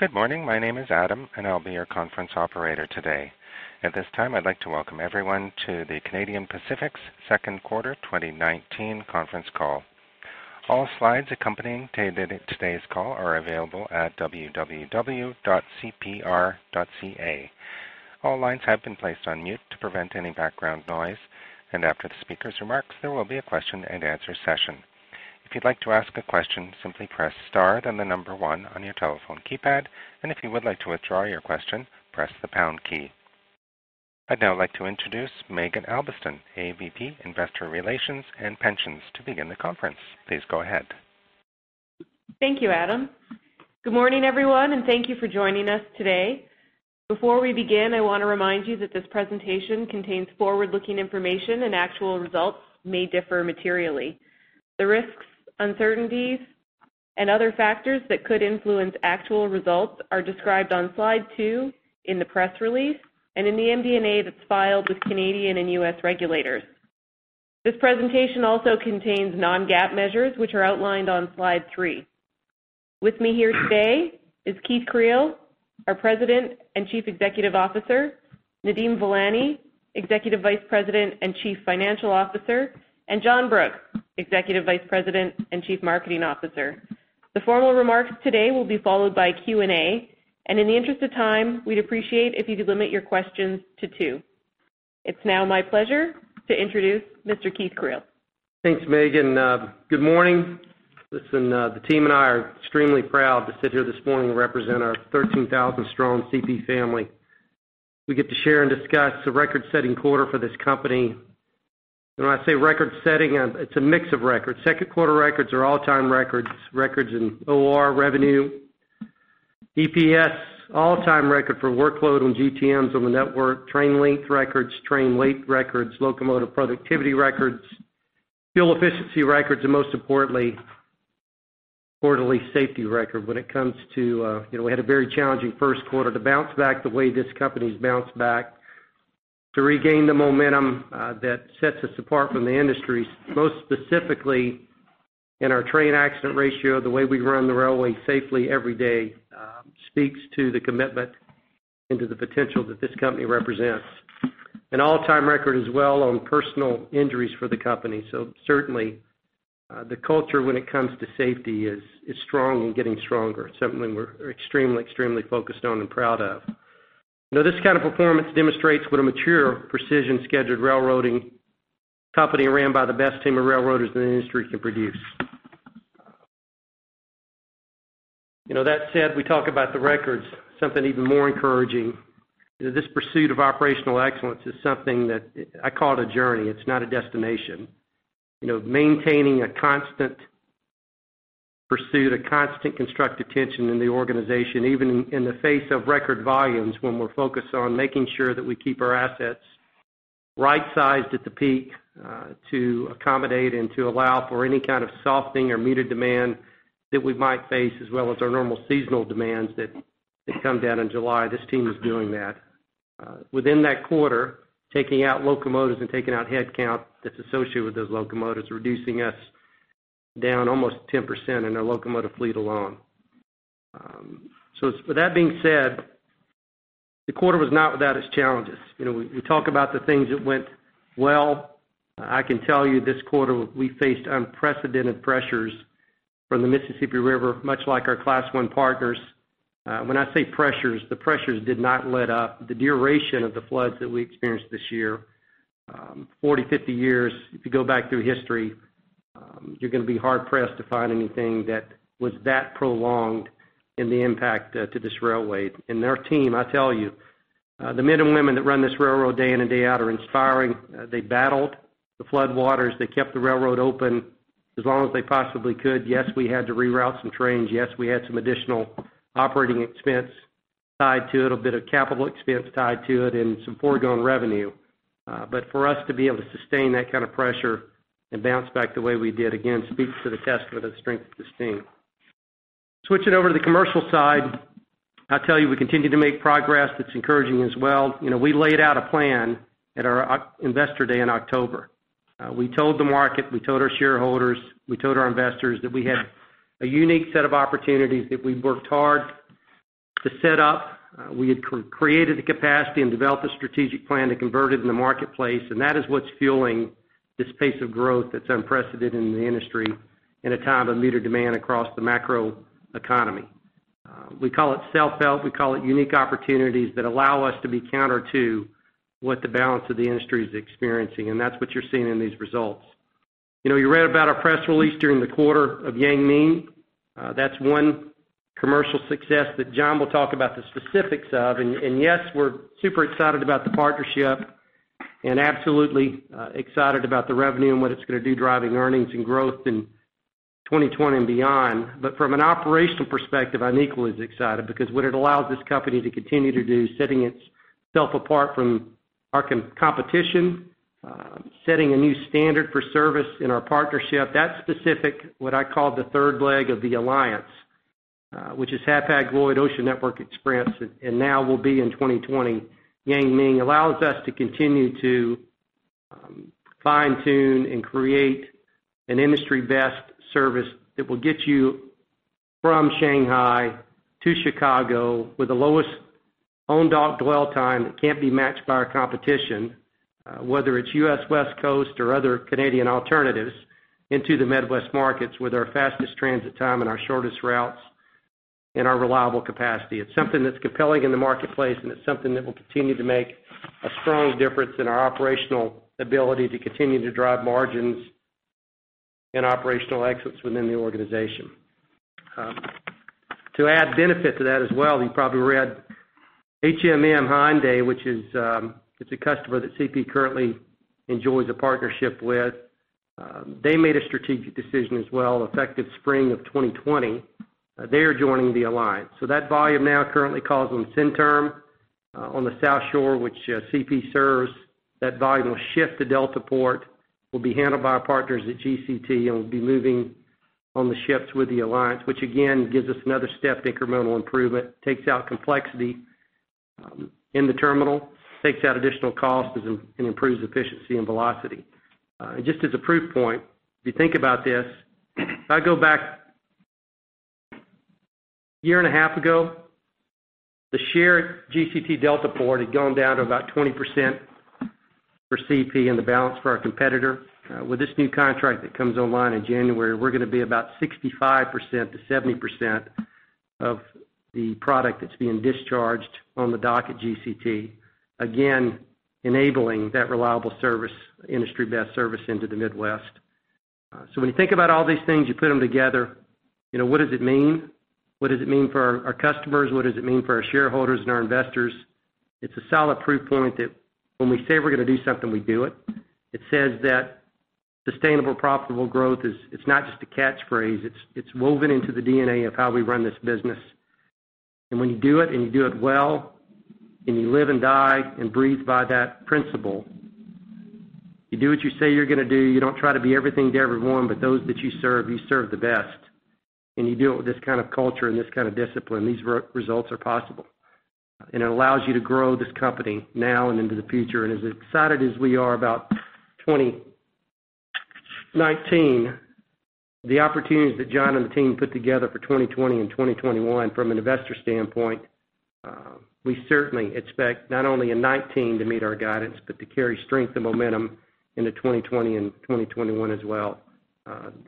Good morning. My name is Adam, and I'll be your conference operator today. At this time, I'd like to welcome everyone to Canadian Pacific's second quarter 2019 conference call. All slides accompanying today's call are available at www.cpr.ca. All lines have been placed on mute to prevent any background noise. After the speaker's remarks, there will be a question-and-answer session. If you'd like to ask a question, simply press star, then the number one on your telephone keypad. If you would like to withdraw your question, press the pound key. I'd now like to introduce Maeghan Albiston, AVP, Investor Relations and Pensions to begin the conference. Please go ahead. Thank you, Adam. Good morning, everyone, and thank you for joining us today. Before we begin, I want to remind you that this presentation contains forward-looking information and actual results may differ materially. The risks, uncertainties, and other factors that could influence actual results are described on slide 2 in the press release and in the MD&A that's filed with Canadian and U.S. regulators. This presentation also contains non-GAAP measures, which are outlined on slide three. With me here today is Keith Creel, our President and Chief Executive Officer, Nadeem Velani, Executive Vice President and Chief Financial Officer, and John Brooks, Executive Vice President and Chief Marketing Officer. The formal remarks today will be followed by Q&A. In the interest of time, we'd appreciate if you could limit your questions to two. It's now my pleasure to introduce Mr. Keith Creel. Thanks, Maeghan. Good morning. Listen, the team and I are extremely proud to sit here this morning and represent our 13,000-strong CP family. We get to share and discuss a record-setting quarter for this company. When I say record-setting, it's a mix of records. Second quarter records are all-time records in OR revenue, EPS, all-time record for workload on GTMs on the network, train length records, train late records, locomotive productivity records, fuel efficiency records, and most importantly, quarterly safety record. We had a very challenging first quarter. To bounce back the way this company's bounced back, to regain the momentum that sets us apart from the industry, most specifically in our train accident ratio, the way we run the railway safely every day speaks to the commitment and to the potential that this company represents. An all-time record as well on personal injuries for the company. Certainly, the culture when it comes to safety is strong and getting stronger. It's something we're extremely focused on and proud of. This kind of performance demonstrates what a mature precision scheduled railroading company ran by the best team of railroaders in the industry can produce. That said, we talk about the records, something even more encouraging. This pursuit of operational excellence is something that I call it a journey. It's not a destination. Maintaining a constant pursuit, a constant constructive tension in the organization, even in the face of record volumes, when we're focused on making sure that we keep our assets right-sized at the peak to accommodate and to allow for any kind of softening or metered demand that we might face, as well as our normal seasonal demands that come down in July. This team is doing that. Within that quarter, taking out locomotives and taking out headcount that's associated with those locomotives, reducing us down almost 10% in our locomotive fleet alone. With that being said, the quarter was not without its challenges. We talk about the things that went well. I can tell you this quarter, we faced unprecedented pressures from the Mississippi River, much like our Class I partners. When I say pressures, the pressures did not let up. The duration of the floods that we experienced this year, 40, 50 years, if you go back through history, you're going to be hard-pressed to find anything that was that prolonged in the impact to this railway. Our team, I tell you, the men and women that run this railroad day in and day out are inspiring. They battled the floodwaters. They kept the railroad open as long as they possibly could. Yes, we had to reroute some trains. Yes, we had some additional operating expense tied to it, a bit of capital expense tied to it, and some foregone revenue. For us to be able to sustain that kind of pressure and bounce back the way we did, again, speaks to the test of the strength of this team. Switching over to the commercial side, I tell you, we continue to make progress that's encouraging as well. We laid out a plan at our Investor Day in October. We told the market, we told our shareholders, we told our investors that we had a unique set of opportunities that we worked hard to set up. We had created the capacity and developed a strategic plan to convert it in the marketplace, that is what's fueling this pace of growth that's unprecedented in the industry in a time of metered demand across the macro economy. We call it self-help. We call it unique opportunities that allow us to be counter to what the balance of the industry is experiencing, that's what you're seeing in these results. You read about our press release during the quarter of Yang Ming. That's one commercial success that John will talk about the specifics of. Yes, we're super excited about the partnership and absolutely excited about the revenue and what it's going to do driving earnings and growth in 2020 and beyond. From an operational perspective, I'm equally as excited because what it allows this company to continue to do, setting itself apart from our competition, setting a new standard for service in our partnership. That specific, what I call the third leg of the alliance, which is Hapag-Lloyd, Ocean Network Express, and now will be in 2020, Yang Ming, allows us to continue to fine-tune and create an industry-best service that will get you from Shanghai to Chicago with the lowest on-dock dwell time that can't be matched by our competition, whether it's U.S. West Coast or other Canadian alternatives, into the Midwest markets with our fastest transit time and our shortest routes and our reliable capacity. It's something that's compelling in the marketplace, it's something that will continue to make a strong difference in our operational ability to continue to drive margins and operational exits within the organization. To add benefit to that as well, you probably read HMM Hyundai, which is a customer that CP currently enjoys a partnership with. They made a strategic decision as well, effective spring of 2020. They are joining the alliance. That volume now currently calls on Centerm on the South Shore, which CP serves. That volume will shift to Deltaport, will be handled by our partners at GCT, and will be moving on the ships with the alliance, which again, gives us another step to incremental improvement, takes out complexity in the terminal, takes out additional cost, and improves efficiency and velocity. As a proof point, if you think about this, if I go back a year and a half ago, the share at GCT Deltaport had gone down to about 20% for CP and the balance for our competitor. With this new contract that comes online in January, we're going to be about 65%-70% of the product that's being discharged on the dock at GCT, again, enabling that reliable service, industry-best service into the Midwest. When you think about all these things, you put them together, what does it mean? What does it mean for our customers? What does it mean for our shareholders and our investors? It's a solid proof point that when we say we're going to do something, we do it. It says that sustainable profitable growth is not just a catchphrase. It's woven into the DNA of how we run this business. When you do it, and you do it well, and you live and die and breathe by that principle, you do what you say you're going to do. You don't try to be everything to everyone, but those that you serve, you serve the best, and you do it with this kind of culture and this kind of discipline, these results are possible. It allows you to grow this company now and into the future. As excited as we are about 2019, the opportunities that John and the team put together for 2020 and 2021 from an investor standpoint, we certainly expect not only in 2019 to meet our guidance, but to carry strength and momentum into 2020 and 2021 as well.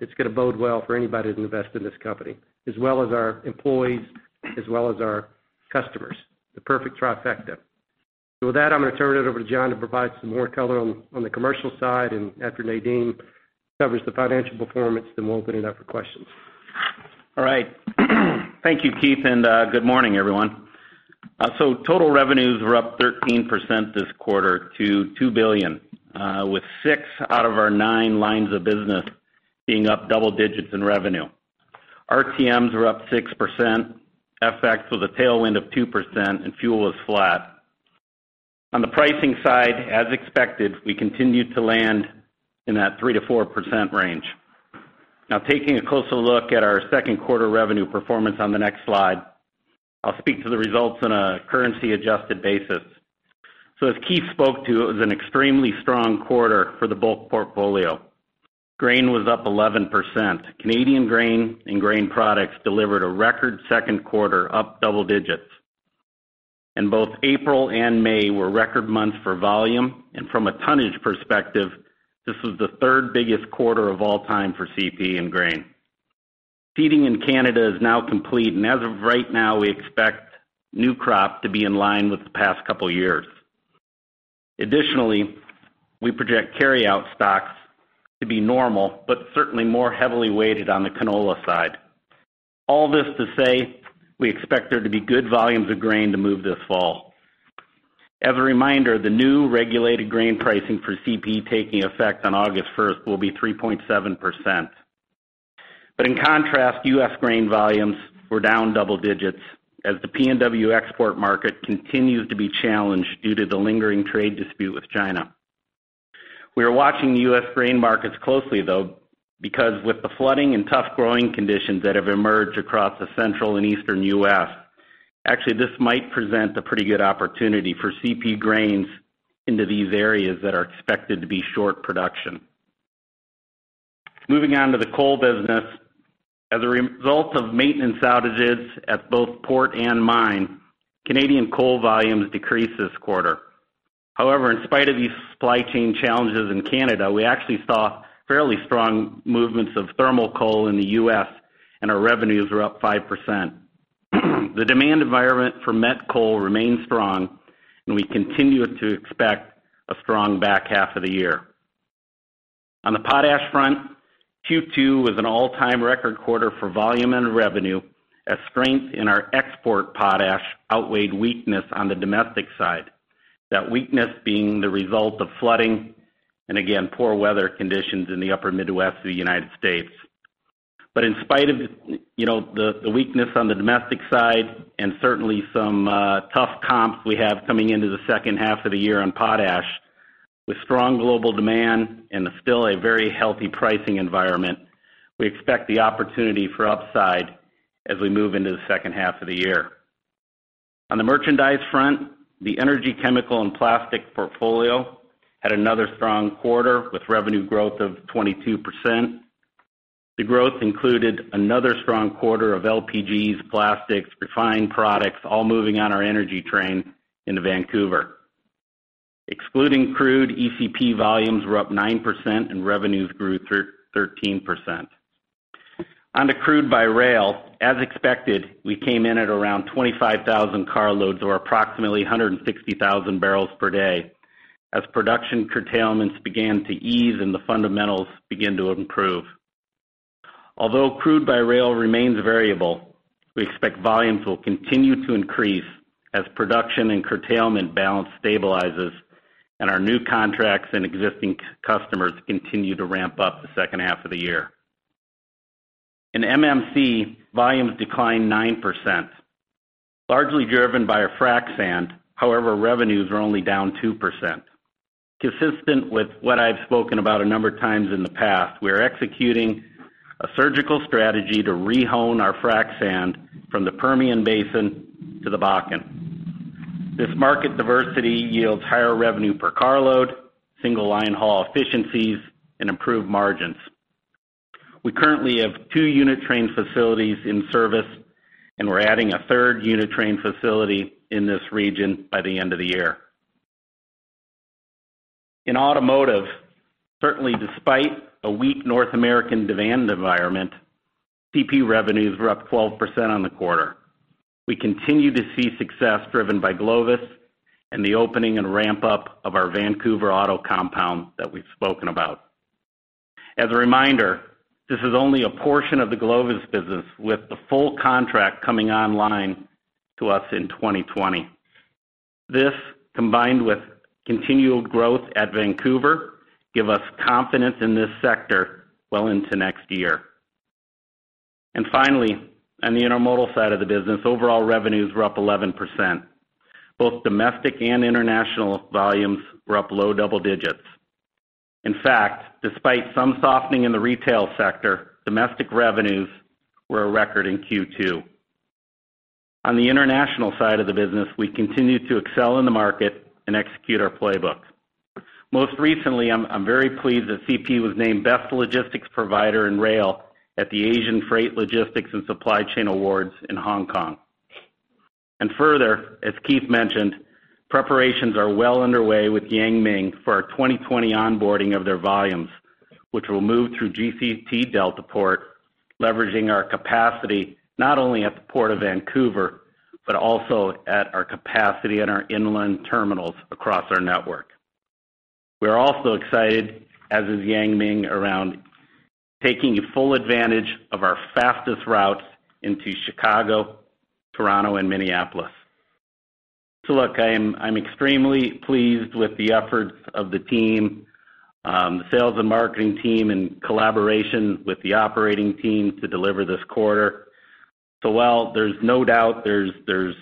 It's going to bode well for anybody that's invested in this company, as well as our employees, as well as our customers. The perfect trifecta. With that, I'm going to turn it over to John to provide some more color on the commercial side. After Nadeem covers the financial performance, we'll open it up for questions. All right. Thank you, Keith, and good morning, everyone. Total revenues were up 13% this quarter to 2 billion, with six out of our nine lines of business being up double digits in revenue. RTMs were up 6%, FX with a tailwind of 2%, and fuel was flat. On the pricing side, as expected, we continued to land in that 3%-4% range. Taking a closer look at our second quarter revenue performance on the next slide, I will speak to the results on a currency-adjusted basis. As Keith spoke to, it was an extremely strong quarter for the bulk portfolio. Grain was up 11%. Canadian grain and grain products delivered a record second quarter, up double digits. Both April and May were record months for volume, and from a tonnage perspective, this was the third biggest quarter of all time for CP in grain. Seeding in Canada is now complete, and as of right now, we expect new crop to be in line with the past couple of years. Additionally, we project carry-out stocks to be normal, but certainly more heavily weighted on the canola side. All this to say, we expect there to be good volumes of grain to move this fall. As a reminder, the new regulated grain pricing for CP taking effect on August 1st will be 3.7%. In contrast, U.S. grain volumes were down double digits as the PNW export market continues to be challenged due to the lingering trade dispute with China. We are watching the U.S. grain markets closely, though, because with the flooding and tough growing conditions that have emerged across the central and eastern U.S.. Actually, this might present a pretty good opportunity for CP grains into these areas that are expected to be short production. Moving on to the coal business. As a result of maintenance outages at both port and mine, Canadian coal volumes decreased this quarter. In spite of these supply chain challenges in Canada, we actually saw fairly strong movements of thermal coal in the U.S., and our revenues were up 5%. The demand environment for met coal remains strong, and we continue to expect a strong back half of the year. On the potash front, Q2 was an all-time record quarter for volume and revenue, as strength in our export potash outweighed weakness on the domestic side. That weakness being the result of flooding, and again, poor weather conditions in the upper Midwest of the United States. In spite of the weakness on the domestic side and certainly some tough comps we have coming into the second half of the year on potash, with strong global demand and still a very healthy pricing environment, we expect the opportunity for upside as we move into the second half of the year. On the merchandise front, the energy, chemical, and plastic portfolio had another strong quarter with revenue growth of 22%. The growth included another strong quarter of LPGs, plastics, refined products, all moving on our energy train into Vancouver. Excluding crude, ECP volumes were up 9% and revenues grew 13%. On the crude by rail, as expected, we came in at around 25,000 carloads or approximately 160,000 barrels per day, as production curtailments began to ease and the fundamentals begin to improve. Crude by rail remains variable, we expect volumes will continue to increase as production and curtailment balance stabilizes, and our new contracts and existing customers continue to ramp up the second half of the year. In MMC, volumes declined 9%, largely driven by our frac sand. Revenues are only down 2%. Consistent with what I've spoken about a number of times in the past, we are executing a surgical strategy to rehome our frac sand from the Permian Basin to the Bakken. This market diversity yields higher revenue per carload, single line haul efficiencies, and improved margins. We currently have two unit train facilities in service, and we're adding a third unit train facility in this region by the end of the year. In automotive, certainly despite a weak North American demand environment, CP revenues were up 12% on the quarter. We continue to see success driven by GLOVIS and the opening and ramp-up of our Vancouver auto compound that we've spoken about. As a reminder, this is only a portion of the GLOVIS business, with the full contract coming online to us in 2020. This, combined with continual growth at Vancouver, give us confidence in this sector well into next year. Finally, on the intermodal side of the business, overall revenues were up 11%. Both domestic and international volumes were up low double digits. Despite some softening in the retail sector, domestic revenues were a record in Q2. On the international side of the business, we continue to excel in the market and execute our playbook. Most recently, I'm very pleased that CP was named Best Logistics Provider in Rail at the Asian Freight Logistics and Supply Chain Awards in Hong Kong. Further, as Keith mentioned, preparations are well underway with Yang Ming for our 2020 onboarding of their volumes, which will move through GCT Deltaport, leveraging our capacity, not only at the Port of Vancouver, but also at our capacity and our inland terminals across our network. We are also excited, as is Yang Ming, around taking full advantage of our fastest routes into Chicago, Toronto, and Minneapolis. Look, I am extremely pleased with the efforts of the team, the sales and marketing team, in collaboration with the operating team to deliver this quarter. While there's no doubt there's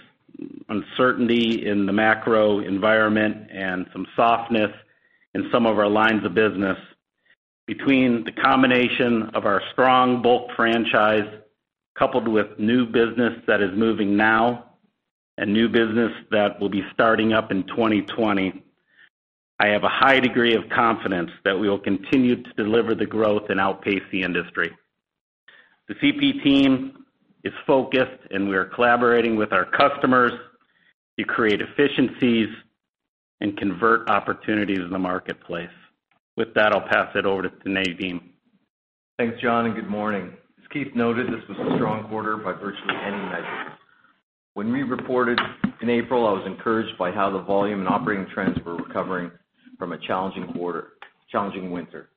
uncertainty in the macro environment and some softness in some of our lines of business. Between the combination of our strong bulk franchise coupled with new business that is moving now and new business that will be starting up in 2020, I have a high degree of confidence that we will continue to deliver the growth and outpace the industry. The CP team is focused, and we are collaborating with our customers to create efficiencies and convert opportunities in the marketplace. With that, I'll pass it over to Nadeem. Thanks, John, and good morning. As Keith noted, this was a strong quarter by virtually any measure. When we reported in April, I was encouraged by how the volume and operating trends were recovering from a challenging winter.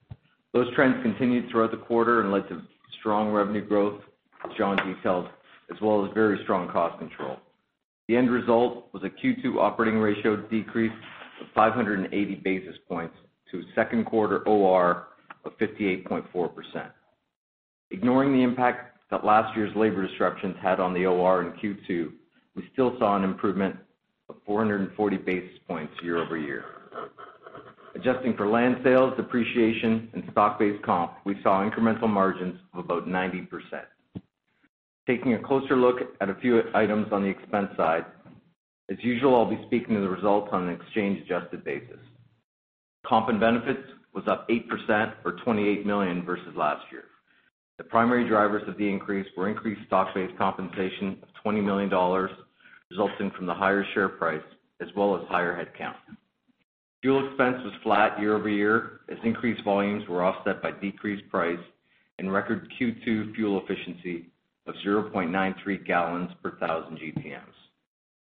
Those trends continued throughout the quarter and led to strong revenue growth, as John detailed, as well as very strong cost control. The end result was a Q2 operating ratio decrease of 580 basis points to a second quarter OR of 58.4%. Ignoring the impact that last year's labor disruptions had on the OR in Q2, we still saw an improvement of 440 basis points year-over-year. Adjusting for land sales, depreciation, and stock-based comp, we saw incremental margins of about 90%. Taking a closer look at a few items on the expense side, as usual, I'll be speaking to the results on an exchange-adjusted basis. Comp and benefits was up 8% or 28 million versus last year. The primary drivers of the increase were increased stock-based compensation of 20 million dollars, resulting from the higher share price as well as higher headcount. Fuel expense was flat year-over-year as increased volumes were offset by decreased price and record Q2 fuel efficiency of 0.93 gallons per 1,000 GTMs.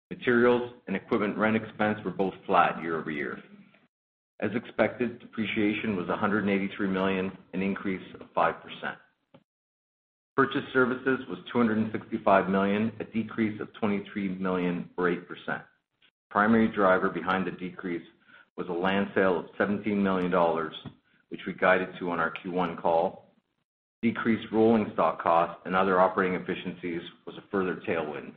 Materials and equipment rent expense were both flat year-over-year. As expected, depreciation was 183 million, an increase of 5%. Purchased services was 265 million, a decrease of 23 million or 8%. The primary driver behind the decrease was a land sale of 17 million dollars, which we guided to on our Q1 call. Decreased rolling stock costs and other operating efficiencies was a further tailwind.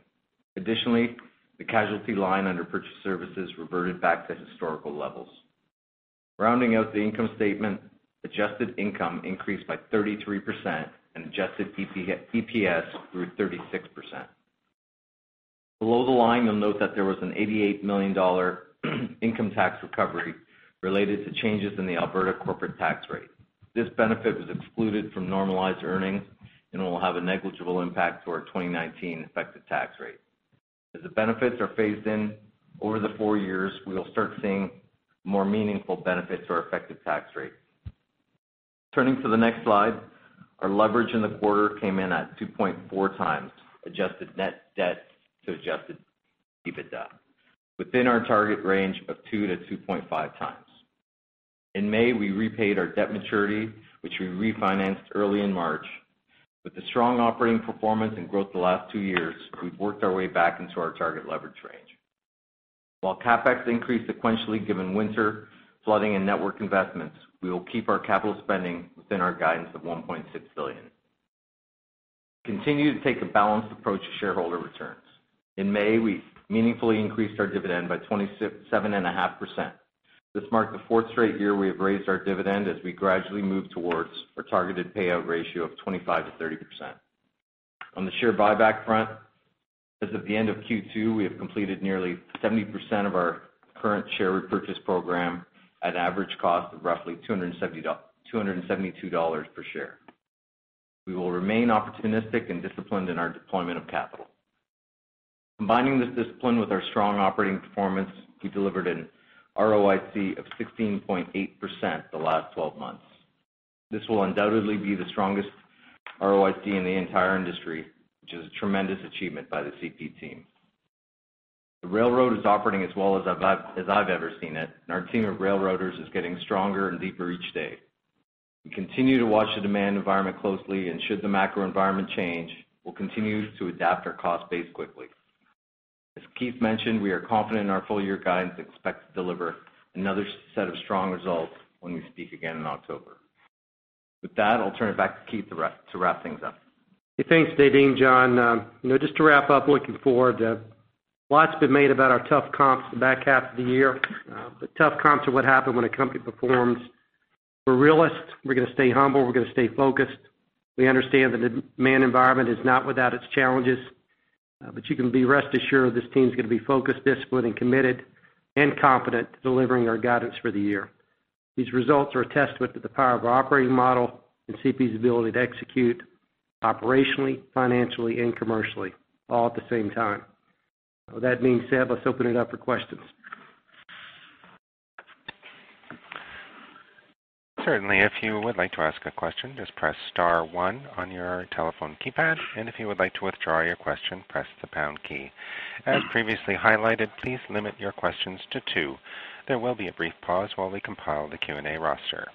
Additionally, the casualty line under purchased services reverted back to historical levels. Rounding out the income statement, adjusted income increased by 33% and adjusted EPS grew 36%. Below the line, you'll note that there was a 88 million dollar income tax recovery related to changes in the Alberta corporate tax rate. This benefit was excluded from normalized earnings and will have a negligible impact to our 2019 effective tax rate. As the benefits are phased in over the four years, we will start seeing more meaningful benefits to our effective tax rate. Turning to the next slide, our leverage in the quarter came in at 2.4 times adjusted net debt to adjusted EBITDA, within our target range of two to 2.5 times. In May, we repaid our debt maturity, which we refinanced early in March. With the strong operating performance and growth the last two years, we've worked our way back into our target leverage range. While CapEx increased sequentially given winter flooding and network investments, we will keep our capital spending within our guidance of 1.6 billion. We continue to take a balanced approach to shareholder returns. In May, we meaningfully increased our dividend by 27.5%. This marked the fourth straight year we have raised our dividend as we gradually move towards our targeted payout ratio of 25%-30%. On the share buyback front, as of the end of Q2, we have completed nearly 70% of our current share repurchase program at average cost of roughly 272 dollars per share. We will remain opportunistic and disciplined in our deployment of capital. Combining this discipline with our strong operating performance, we delivered an ROIC of 16.8% the last 12 months. This will undoubtedly be the strongest ROIC in the entire industry, which is a tremendous achievement by the CP team. The railroad is operating as well as I've ever seen it, and our team of railroaders is getting stronger and deeper each day. We continue to watch the demand environment closely, and should the macro environment change, we'll continue to adapt our cost base quickly. As Keith mentioned, we are confident in our full-year guidance and expect to deliver another set of strong results when we speak again in October. With that, I'll turn it back to Keith to wrap things up. Thanks, Nadeem, John. Just to wrap up, looking forward, a lot's been made about our tough comps the back half of the year. Tough comps are what happen when a company performs. We're realists. We're going to stay humble. We're going to stay focused. We understand the demand environment is not without its challenges. You can be rest assured this team's going to be focused, disciplined, and committed, and competent to delivering our guidance for the year. These results are a testament to the power of our operating model and CP's ability to execute operationally, financially, and commercially, all at the same time. With that being said, let's open it up for questions. Certainly. If you would like to ask a question, just press star one on your telephone keypad, and if you would like to withdraw your question, press the pound key. As previously highlighted, please limit your questions to two. There will be a brief pause while we compile the Q&A roster.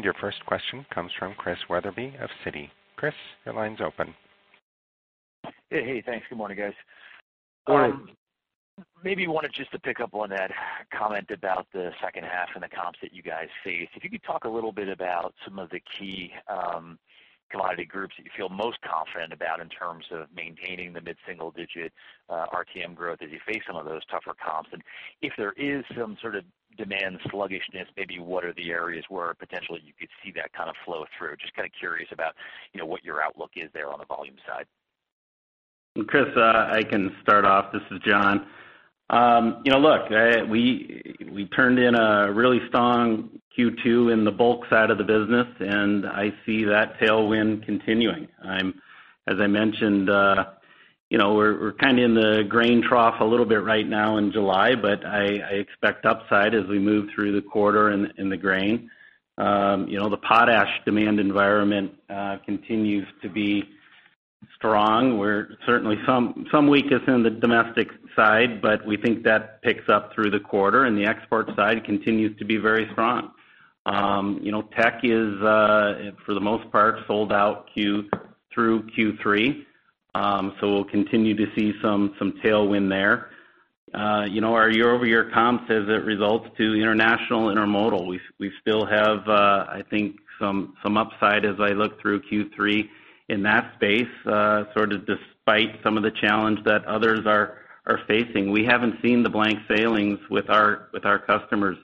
Your first question comes from Chris Wetherbee of Citi. Chris, your line's open. Hey, thanks. Good morning, guys. Good morning. Maybe wanted just to pick up on that comment about the second half and the comps that you guys face. If you could talk a little bit about some of the key commodity groups that you feel most confident about in terms of maintaining the mid-single digit RTM growth as you face some of those tougher comps. If there is some sort of demand sluggishness, maybe what are the areas where potentially you could see that kind of flow through? Just kind of curious about what your outlook is there on the volume side. Chris, I can start off. This is John. Look, we turned in a really strong Q2 in the bulk side of the business, and I see that tailwind continuing. As I mentioned, we're kind of in the grain trough a little bit right now in July, but I expect upside as we move through the quarter in the grain. The potash demand environment continues to be strong. Certainly some weakness in the domestic side, but we think that picks up through the quarter, and the export side continues to be very strong. Teck is, for the most part, sold out through Q3, so we'll continue to see some tailwind there. Our year-over-year comps as it results to international intermodal, we still have I think some upside as I look through Q3 in that space, sort of despite some of the challenge that others are facing. We haven't seen the blank sailings with our customers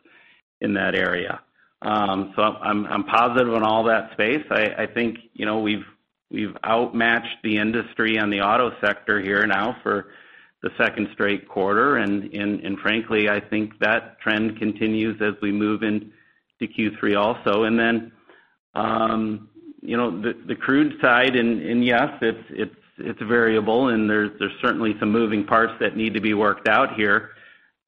in that area. I'm positive on all that space. I think we've outmatched the industry on the auto sector here now for the second straight quarter, and frankly, I think that trend continues as we move into Q3 also. Then the crude side. Yes, it's variable, and there's certainly some moving parts that need to be worked out here.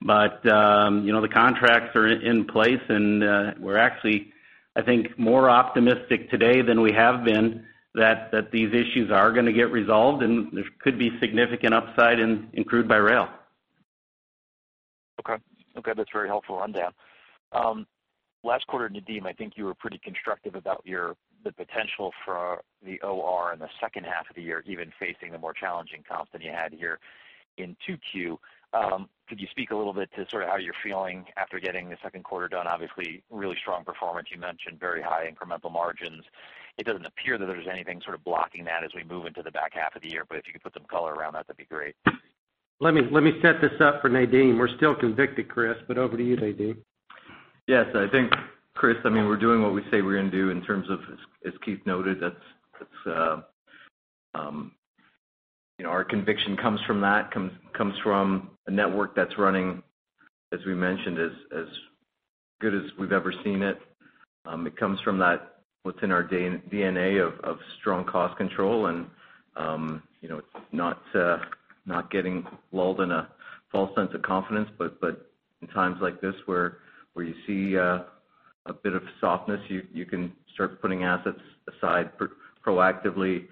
The contracts are in place, and we're actually, I think, more optimistic today than we have been that these issues are going to get resolved, and there could be significant upside in crude by rail. Okay. That's very helpful. I'm down. Last quarter, Nadeem, I think you were pretty constructive about the potential for the OR in the second half of the year, even facing the more challenging comps than you had here in 2Q. Could you speak a little bit to sort of how you're feeling after getting the second quarter done? Obviously, really strong performance. You mentioned very high incremental margins. It doesn't appear that there's anything sort of blocking that as we move into the back half of the year, but if you could put some color around that'd be great. Let me set this up for Nadeem. We're still convicted, Chris, over to you, Nadeem. Yes, I think, Chris, we're doing what we say we're going to do in terms of, as Keith noted, that our conviction comes from that, comes from a network that's running, as we mentioned, as good as we've ever seen it. It comes from that what's in our DNA of strong cost control and not getting lulled in a false sense of confidence. In times like this where you see a bit of softness, you can start putting assets aside proactively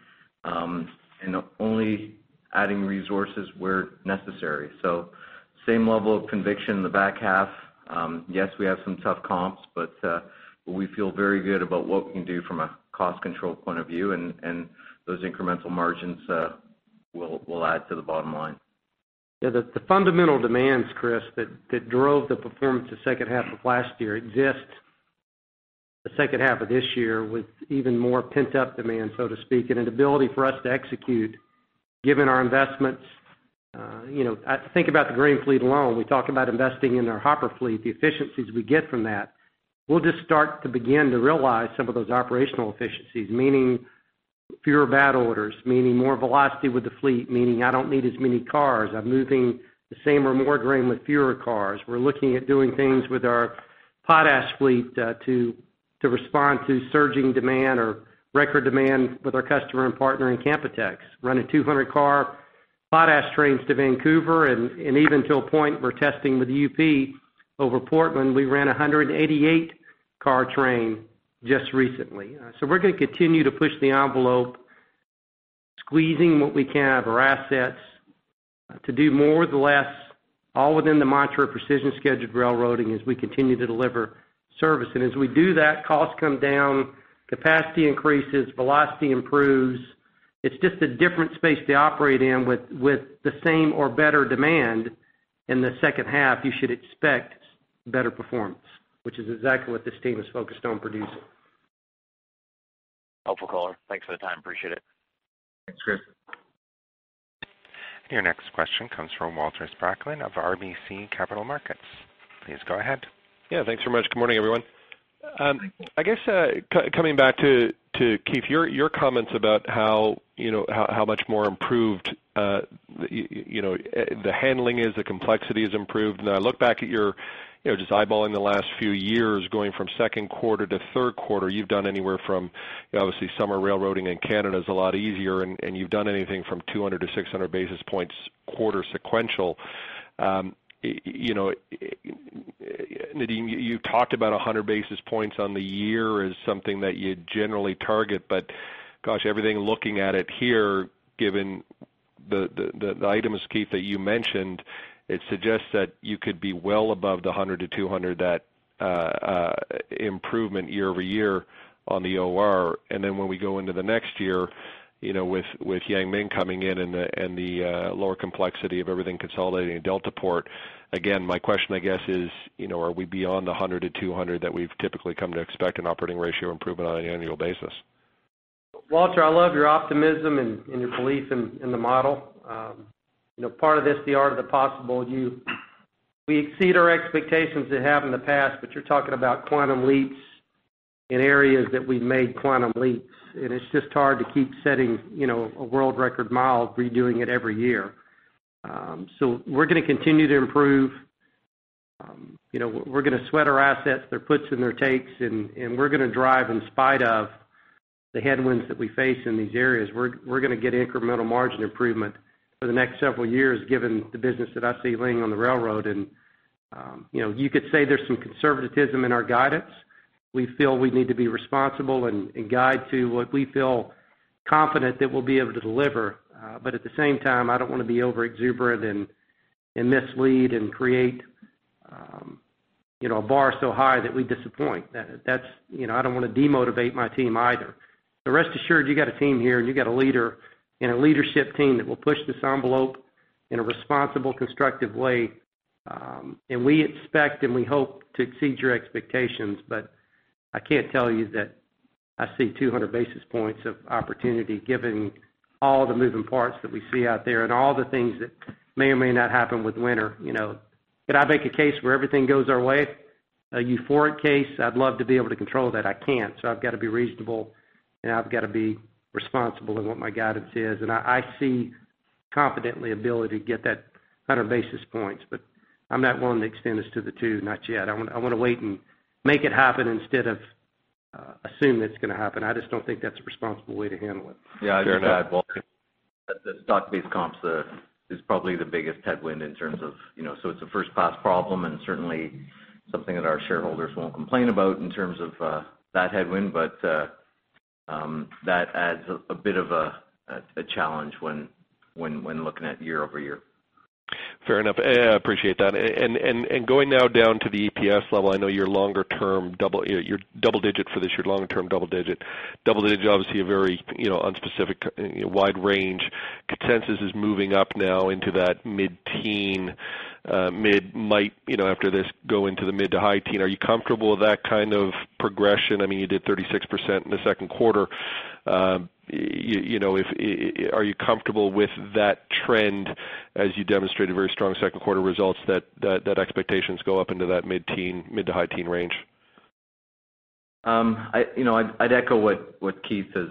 and only adding resources where necessary. Same level of conviction in the back half. Yes, we have some tough comps, but we feel very good about what we can do from a cost control point of view, and those incremental margins will add to the bottom line. Yeah. The fundamental demands, Chris, that drove the performance of second half of last year exist the second half of this year with even more pent-up demand, so to speak, and an ability for us to execute given our investments. Think about the grain fleet alone. We talk about investing in our hopper fleet, the efficiencies we get from that. We'll just start to begin to realize some of those operational efficiencies, meaning fewer bad orders, meaning more velocity with the fleet, meaning I don't need as many cars. I'm moving the same or more grain with fewer cars. We're looking at doing things with our potash fleet to respond to surging demand or record demand with our customer and partner in Canpotex. Running 200 car potash trains to Vancouver, and even to a point we're testing with UP over Portland, we ran 188 car train just recently. We're going to continue to push the envelope, squeezing what we can of our assets to do more with less, all within the mantra of precision scheduled railroading as we continue to deliver service. As we do that, costs come down, capacity increases, velocity improves. It's just a different space to operate in with the same or better demand. In the second half, you should expect better performance, which is exactly what this team is focused on producing. Helpful call. Thanks for the time. Appreciate it. Thanks, Chris. Your next question comes from Walter Spracklen of RBC Capital Markets. Please go ahead. Yeah, thanks so much. Good morning, everyone. Coming back to Keith, your comments about how much more improved the handling is, the complexity is improved. I look back at your, just eyeballing the last few years, going from second quarter to third quarter, you've done anywhere from, obviously summer railroading in Canada is a lot easier, and you've done anything from 200 to 600 basis points quarter sequential. Nadeem, you talked about 100 basis points on the year as something that you generally target, gosh, everything looking at it here, given the items, Keith, that you mentioned, it suggests that you could be well above the 100 to 200 improvement year-over-year on the OR. When we go into the next year, with Yang Ming coming in and the lower complexity of everything consolidating in Deltaport. My question is, are we beyond the 100 to 200 that we've typically come to expect in operating ratio improvement on an annual basis? Walter, I love your optimism and your belief in the model. Part of this, the art of the possible, we exceed our expectations that have in the past, but you're talking about quantum leaps in areas that we've made quantum leaps, and it's just hard to keep setting a world record mile redoing it every year. We're going to continue to improve. We're going to sweat our assets, their puts and their takes, and we're going to drive in spite of the headwinds that we face in these areas. We're going to get incremental margin improvement for the next several years given the business that I see laying on the railroad. You could say there's some conservatism in our guidance. We feel we need to be responsible and guide to what we feel confident that we'll be able to deliver. At the same time, I don't want to be overexuberant and mislead and create a bar so high that we disappoint. I don't want to demotivate my team either. Rest assured you got a team here and you got a leader and a leadership team that will push this envelope in a responsible, constructive way. We expect and we hope to exceed your expectations, but I can't tell you that I see 200 basis points of opportunity given all the moving parts that we see out there and all the things that may or may not happen with winter. Could I make a case where everything goes our way? A euphoric case? I'd love to be able to control that. I can't. I've got to be reasonable, and I've got to be responsible in what my guidance is. I see confidently ability to get that 100 basis points, but I'm not willing to extend this to the two. Not yet. I want to wait and make it happen instead of assume it's going to happen. I just don't think that's a responsible way to handle it. Yeah. I'd add, Walter, that the stock-based comps is probably the biggest headwind in terms of, it's a first-class problem and certainly something that our shareholders won't complain about in terms of that headwind, but that adds a bit of a challenge when looking at year-over-year. Fair enough. I appreciate that. Going now down to the EPS level, I know you're double digit for this year, long term double digit. Double digit, obviously a very unspecific wide range. Consensus is moving up now into that mid-teen. Might after this go into the mid-to-high teen. Are you comfortable with that kind of progression? You did 36% in the second quarter. Are you comfortable with that trend as you demonstrated very strong second quarter results that expectations go up into that mid-to-high teen range? I'd echo what Keith has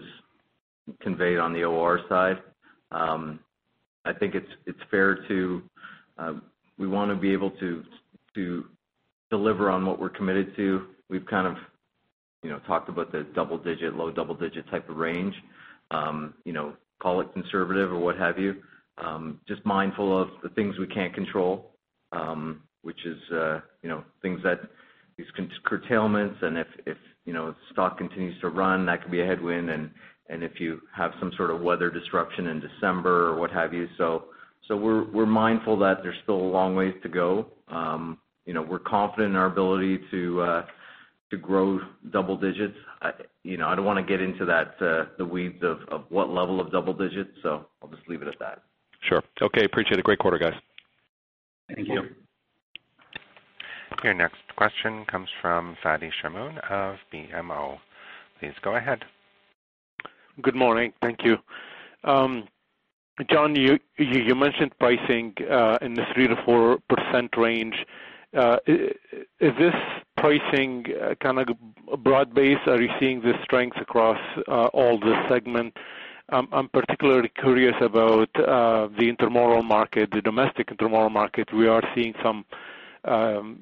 conveyed on the OR side. We want to be able to deliver on what we're committed to. We've kind of talked about the low double digit type of range. Call it conservative or what have you. Just mindful of the things we can't control, which is these curtailments and if stock continues to run, that can be a headwind and if you have some sort of weather disruption in December or what have you. We're mindful that there's still a long way to go. We're confident in our ability to grow double digits. I don't want to get into the weeds of what level of double digits, so I'll just leave it at that. Sure. Okay. Appreciate it. Great quarter, guys. Thank you. Your next question comes from Fadi Chamoun of BMO. Please go ahead. Good morning. Thank you. John, you mentioned pricing in the 3%-4% range. Is this pricing kind of broad-based? Are you seeing the strength across all the segments? I'm particularly curious about the intermodal market, the domestic intermodal market. We are seeing some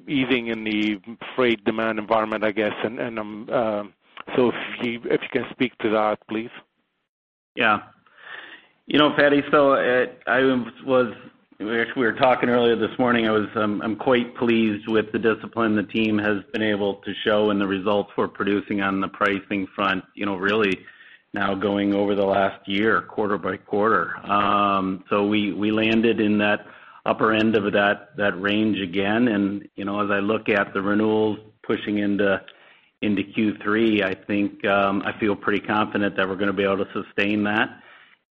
easing in the freight demand environment, I guess. So if you can speak to that, please. Yeah. Fadi, we were talking earlier this morning, I'm quite pleased with the discipline the team has been able to show and the results we're producing on the pricing front really now going over the last year, quarter by quarter. We landed in that upper end of that range again, and as I look at the renewals pushing into Q3, I think I feel pretty confident that we're going to be able to sustain that.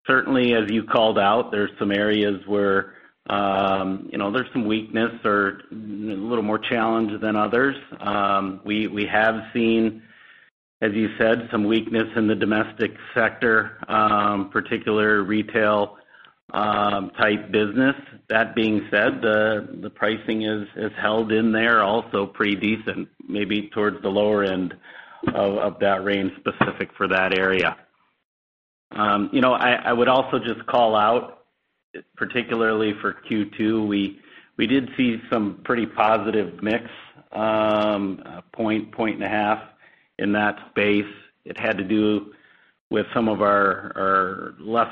Certainly, as you called out, there's some areas where there's some weakness or a little more challenge than others. We have seen, as you said, some weakness in the domestic sector, particular retail type business. That being said, the pricing is held in there also pretty decent, maybe towards the lower end of that range specific for that area. I would also just call out, particularly for Q2, we did see some pretty positive mix, a point and a half in that space. It had to do with less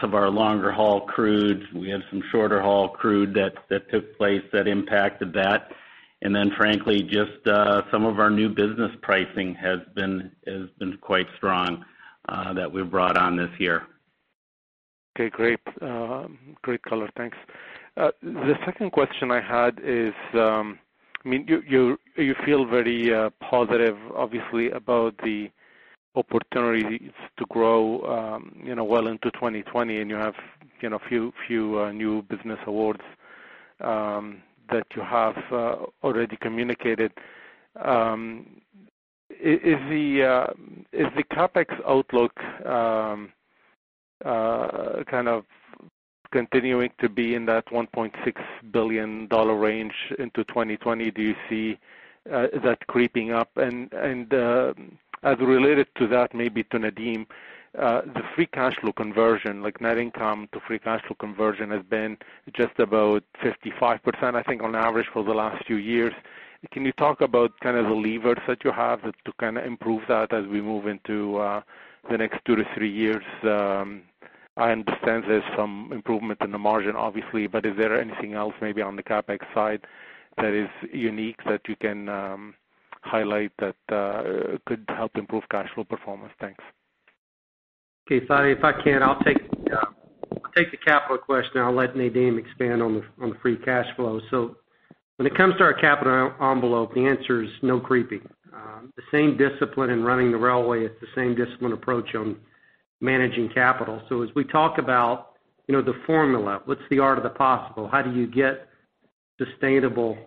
of our longer haul crudes. We have some shorter haul crude that took place that impacted that. Frankly, just some of our new business pricing has been quite strong that we've brought on this year. Okay, great color. Thanks. The second question I had is, you feel very positive, obviously, about the opportunities to grow well into 2020, and you have few new business awards that you have already communicated. Is the CapEx outlook kind of continuing to be in that 1.6 billion dollar range into 2020? Do you see that creeping up? As related to that, maybe to Nadeem, the free cash flow conversion, like net income to free cash flow conversion has been just about 55%, I think, on average for the last few years. Can you talk about kind of the levers that you have to kind of improve that as we move into the next two to three years? I understand there's some improvement in the margin, obviously, but is there anything else maybe on the CapEx side that is unique that you can highlight that could help improve cash flow performance? Thanks. Okay, Fadi, if I can, I'll take the capital question. I'll let Nadeem expand on the free cash flow. When it comes to our capital envelope, the answer is no creeping. The same discipline in running the railway, it's the same discipline approach on managing capital. As we talk about the formula, what's the art of the possible? How do you get sustainable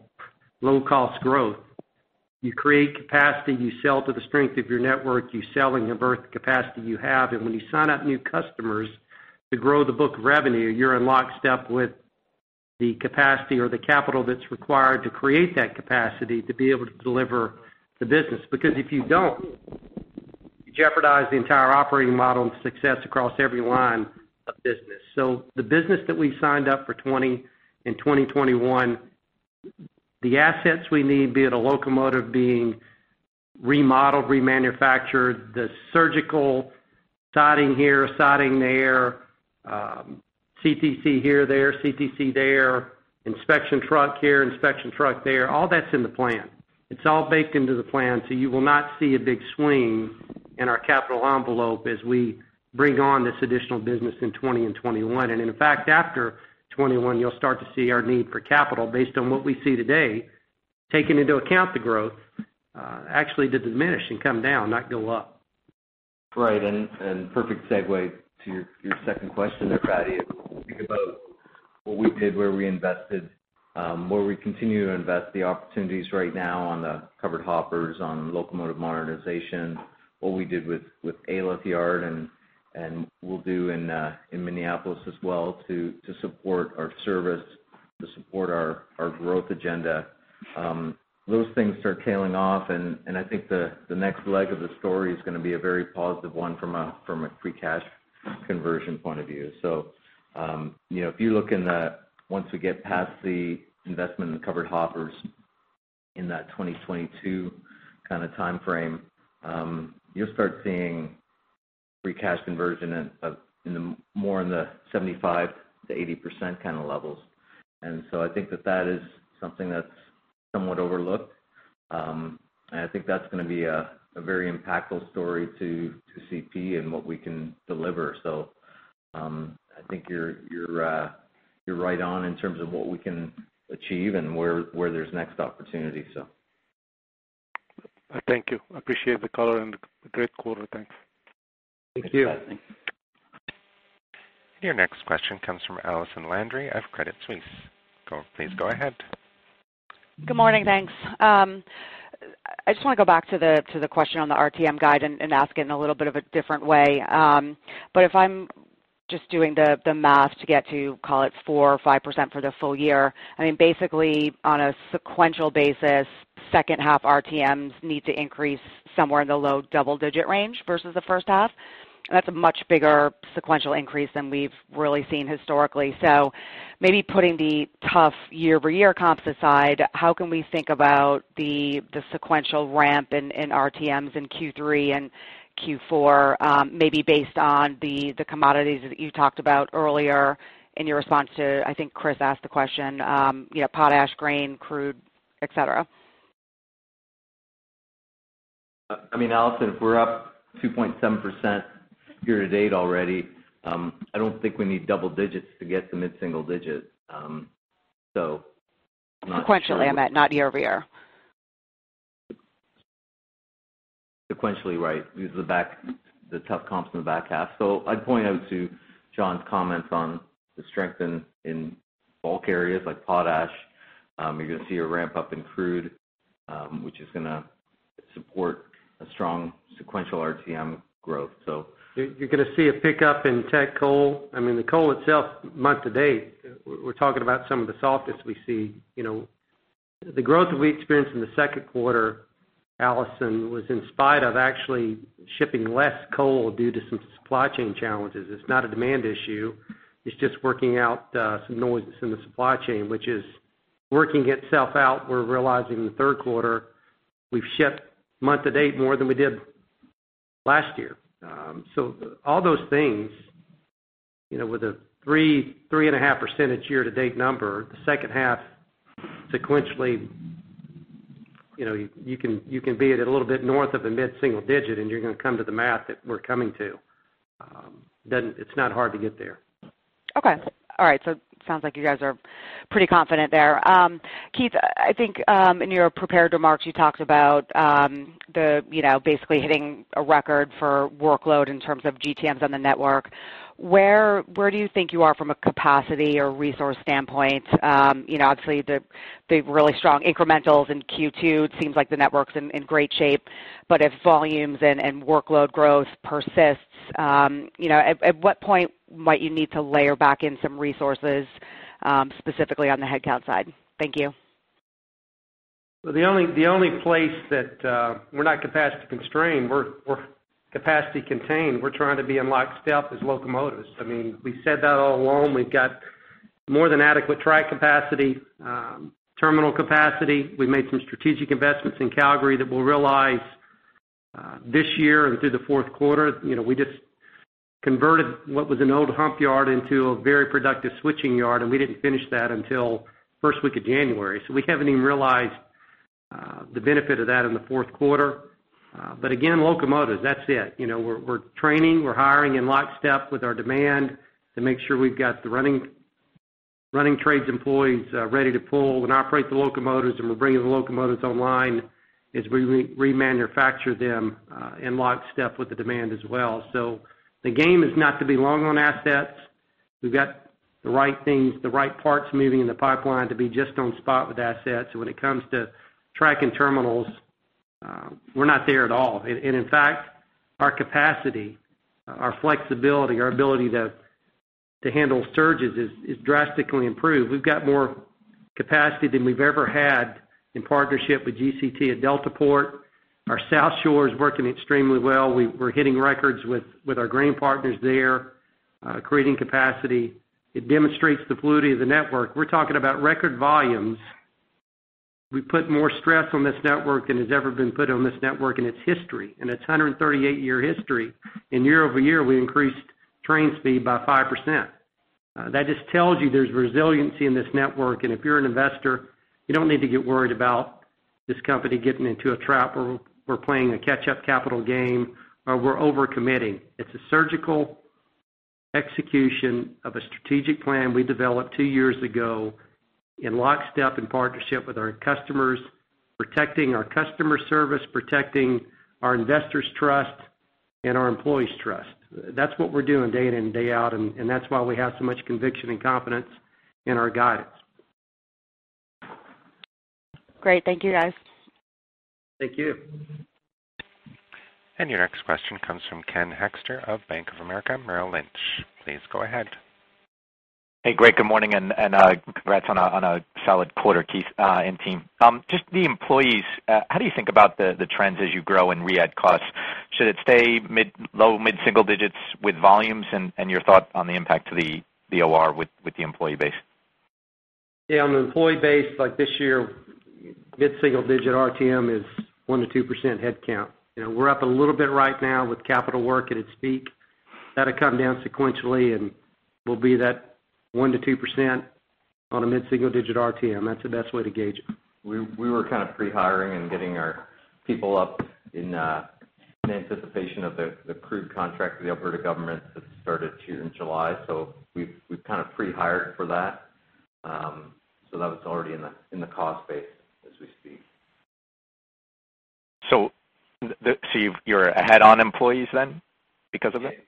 low-cost growth? You create capacity, you sell to the strength of your network, you sell and you birth the capacity you have. When you sign up new customers to grow the book of revenue, you're in lockstep with the capacity or the capital that's required to create that capacity to be able to deliver the business. If you don't, you jeopardize the entire operating model and success across every line of business. The business that we signed up for 2020 and 2021, the assets we need, be it a locomotive being remodeled, remanufactured, the surgical siding here, siding there, CTC here, there, CTC there, inspection truck here, inspection truck there, all that's in the plan. It's all baked into the plan. You will not see a big swing in our capital envelope as we bring on this additional business in 2020 and 2021. In fact, after 2021, you'll start to see our need for capital based on what we see today, taking into account the growth, actually to diminish and come down, not go up. Perfect segue to your second question there, Fadi, about what we did, where we invested, where we continue to invest the opportunities right now on the covered hoppers, on locomotive modernization, what we did with Alyth Yard and will do in Minneapolis as well to support our service, to support our growth agenda. Those things start tailing off, I think the next leg of the story is going to be a very positive one from a free cash conversion point of view. If you look in the once we get past the investment in covered hoppers in that 2022 timeframe, you'll start seeing free cash conversion more in the 75%-80% kind of levels. I think that is something that's somewhat overlooked. I think that's going to be a very impactful story to CP and what we can deliver. I think you're right on in terms of what we can achieve and where there's next opportunity. Thank you. Appreciate the color and the great quarter. Thanks. Thank you. Your next question comes from Allison Landry of Credit Suisse. Please go ahead. Good morning. Thanks. I just want to go back to the question on the RTM guide and ask it in a little bit of a different way. If I'm just doing the math to get to, call it, 4% or 5% for the full year, basically on a sequential basis, second half RTMs need to increase somewhere in the low double-digit range versus the first half. That's a much bigger sequential increase than we've really seen historically. Maybe putting the tough year-over-year comps aside, how can we think about the sequential ramp in RTMs in Q3 and Q4? Maybe based on the commodities that you talked about earlier in your response to, I think Chris asked the question, potash, grain, crude, et cetera. Allison, if we're up 2.7% year-to-date already, I don't think we need double-digits to get to mid-single-digit. I'm not sure. Sequentially, I meant, not year-over-year. Sequentially, right. These are the tough comps in the back half. I'd point out to John's comments on the strength in bulk areas like potash. You're going to see a ramp-up in crude, which is going to support a strong sequential RTM growth. You're going to see a pickup in Teck coal. The coal itself month-to-date, we're talking about some of the softest we see. The growth that we experienced in the second quarter, Allison, was in spite of actually shipping less coal due to some supply chain challenges. It's not a demand issue. It's just working out some noise that's in the supply chain, which is working itself out. We're realizing in the third quarter, we've shipped month-to-date more than we did last year. All those things, with a 3.5% year-to-date number, the second half sequentially, you can be at it a little bit north of the mid-single-digit and you're going to come to the math that we're coming to. It's not hard to get there. Okay. All right. Sounds like you guys are pretty confident there. Keith, I think in your prepared remarks, you talked about basically hitting a record for workload in terms of GTMs on the network. Where do you think you are from a capacity or resource standpoint? Obviously, the really strong incrementals in Q2, it seems like the network's in great shape. If volumes and workload growth persists, at what point might you need to layer back in some resources, specifically on the headcount side? Thank you. The only place that we're not capacity constrained, we're capacity contained. We're trying to be in lockstep is locomotives. We said that all along. We've got more than adequate track capacity, terminal capacity. We made some strategic investments in Calgary that we'll realize this year and through the fourth quarter. We just converted what was an old hump yard into a very productive switching yard, and we didn't finish that until first week of January, so we haven't even realized the benefit of that in the fourth quarter. Again, locomotives, that's it. We're training, we're hiring in lockstep with our demand to make sure we've got the running trades employees ready to pull and operate the locomotives, and we're bringing the locomotives online as we remanufacture them in lockstep with the demand as well. The game is not to be long on assets. We've got the right things, the right parts moving in the pipeline to be just on spot with assets. When it comes to track and terminals, we're not there at all. In fact, our capacity, our flexibility, our ability to handle surges is drastically improved. We've got more capacity than we've ever had in partnership with GCT at Deltaport. Our South Shore is working extremely well. We're hitting records with our grain partners there, creating capacity. It demonstrates the fluidity of the network. We're talking about record volumes. We put more stress on this network than has ever been put on this network in its history, in its 138-year history. Year-over-year, we increased train speed by 5%. That just tells you there's resiliency in this network, if you're an investor, you don't need to get worried about this company getting into a trap or playing a catch-up capital game, or we're over-committing. It's a surgical execution of a strategic plan we developed two years ago in lockstep in partnership with our customers, protecting our customer service, protecting our investors' trust and our employees' trust. That's what we're doing day in and day out, that's why we have so much conviction and confidence in our guidance. Great. Thank you, guys. Thank you. Your next question comes from Ken Hoexter of Bank of America Merrill Lynch. Please go ahead. Hey, great. Good morning, and congrats on a solid quarter, Keith and team. Just the employees, how do you think about the trends as you grow in re-add costs? Should it stay low mid-single digits with volumes, and your thought on the impact to the OR with the employee base? Yeah, on the employee base, this year, mid-single digit RTM is 1%-2% headcount. We're up a little bit right now with capital work at its peak. That'll come down sequentially, and we'll be that 1%-2% on a mid-single-digit RTM. That's the best way to gauge it. We were kind of pre-hiring and getting our people up in anticipation of the crude contract with the Alberta government that started here in July. We've kind of pre-hired for that. That was already in the cost base as we speak. You're ahead on employees then because of it?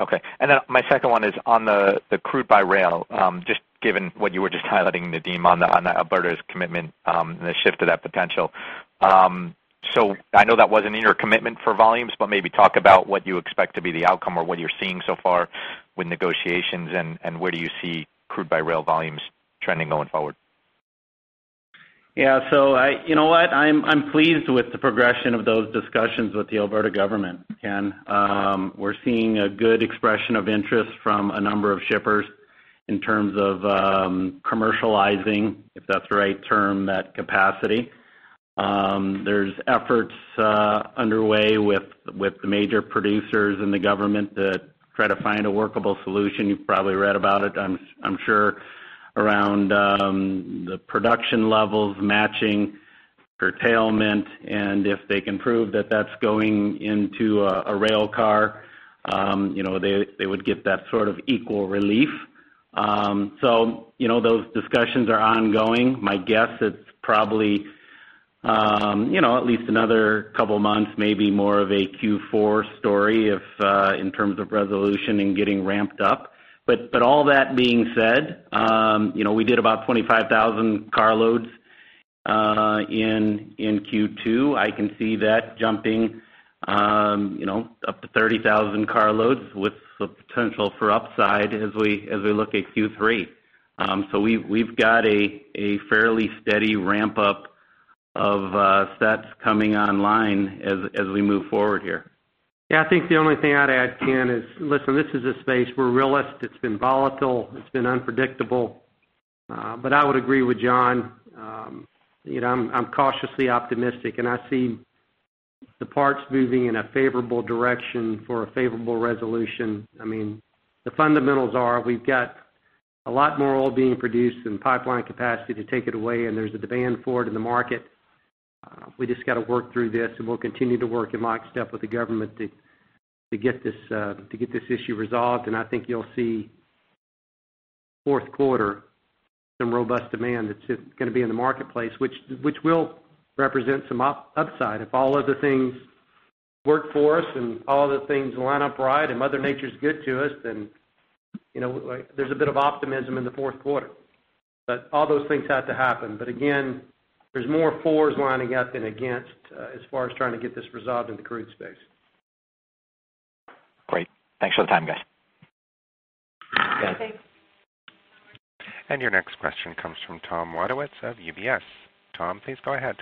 Yes. Okay. My second one is on the crude-by-rail, just given what you were just highlighting, Nadeem, on Alberta's commitment and the shift of that potential. I know that wasn't in your commitment for volumes, but maybe talk about what you expect to be the outcome or what you're seeing so far with negotiations and where do you see crude-by-rail volumes trending going forward? Yeah. You know what? I'm pleased with the progression of those discussions with the Alberta government, Ken. We're seeing a good expression of interest from a number of shippers in terms of commercializing, if that's the right term, that capacity. There's efforts underway with the major producers in the government to try to find a workable solution, you've probably read about it, I'm sure, around the production levels matching curtailment, and if they can prove that that's going into a rail car, they would get that sort of equal relief. Those discussions are ongoing. My guess, it's probably at least another couple of months, maybe more of a Q4 story in terms of resolution and getting ramped up. All that being said, we did about 25,000 car loads in Q2. I can see that jumping up to 30,000 car loads with the potential for upside as we look at Q3. We've got a fairly steady ramp-up of sets coming online as we move forward here. Yeah, I think the only thing I'd add, Ken Hoexter, is, listen, this is a space, we're realists. It's been volatile. It's been unpredictable. I would agree with John. I'm cautiously optimistic, and I see the parts moving in a favorable direction for a favorable resolution. The fundamentals are we've got a lot more oil being produced and pipeline capacity to take it away, and there's a demand for it in the market. We just got to work through this, and we'll continue to work in lockstep with the government to get this issue resolved. I think you'll see fourth quarter, some robust demand that's just going to be in the marketplace, which will represent some upside. If all other things work for us and all the things line up right and mother nature's good to us, there's a bit of optimism in the fourth quarter. All those things have to happen, but again, there's more fors lining up than against as far as trying to get this resolved in the crude space. Great. Thanks for the time, guys. Yeah. Thanks. Your next question comes from Tom Wadewitz of UBS. Tom, please go ahead.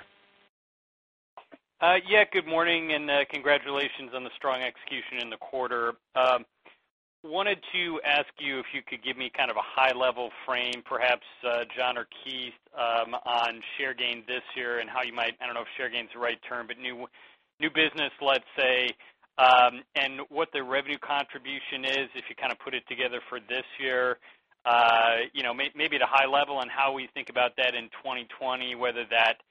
Good morning, congratulations on the strong execution in the quarter. Wanted to ask you if you could give me kind of a high-level frame, perhaps, John or Keith, on share gain this year and how you might, I don't know if share gain is the right term, but new business, let's say, and what the revenue contribution is if you kind of put it together for this year. Maybe at a high level on how we think about that in 2020, whether that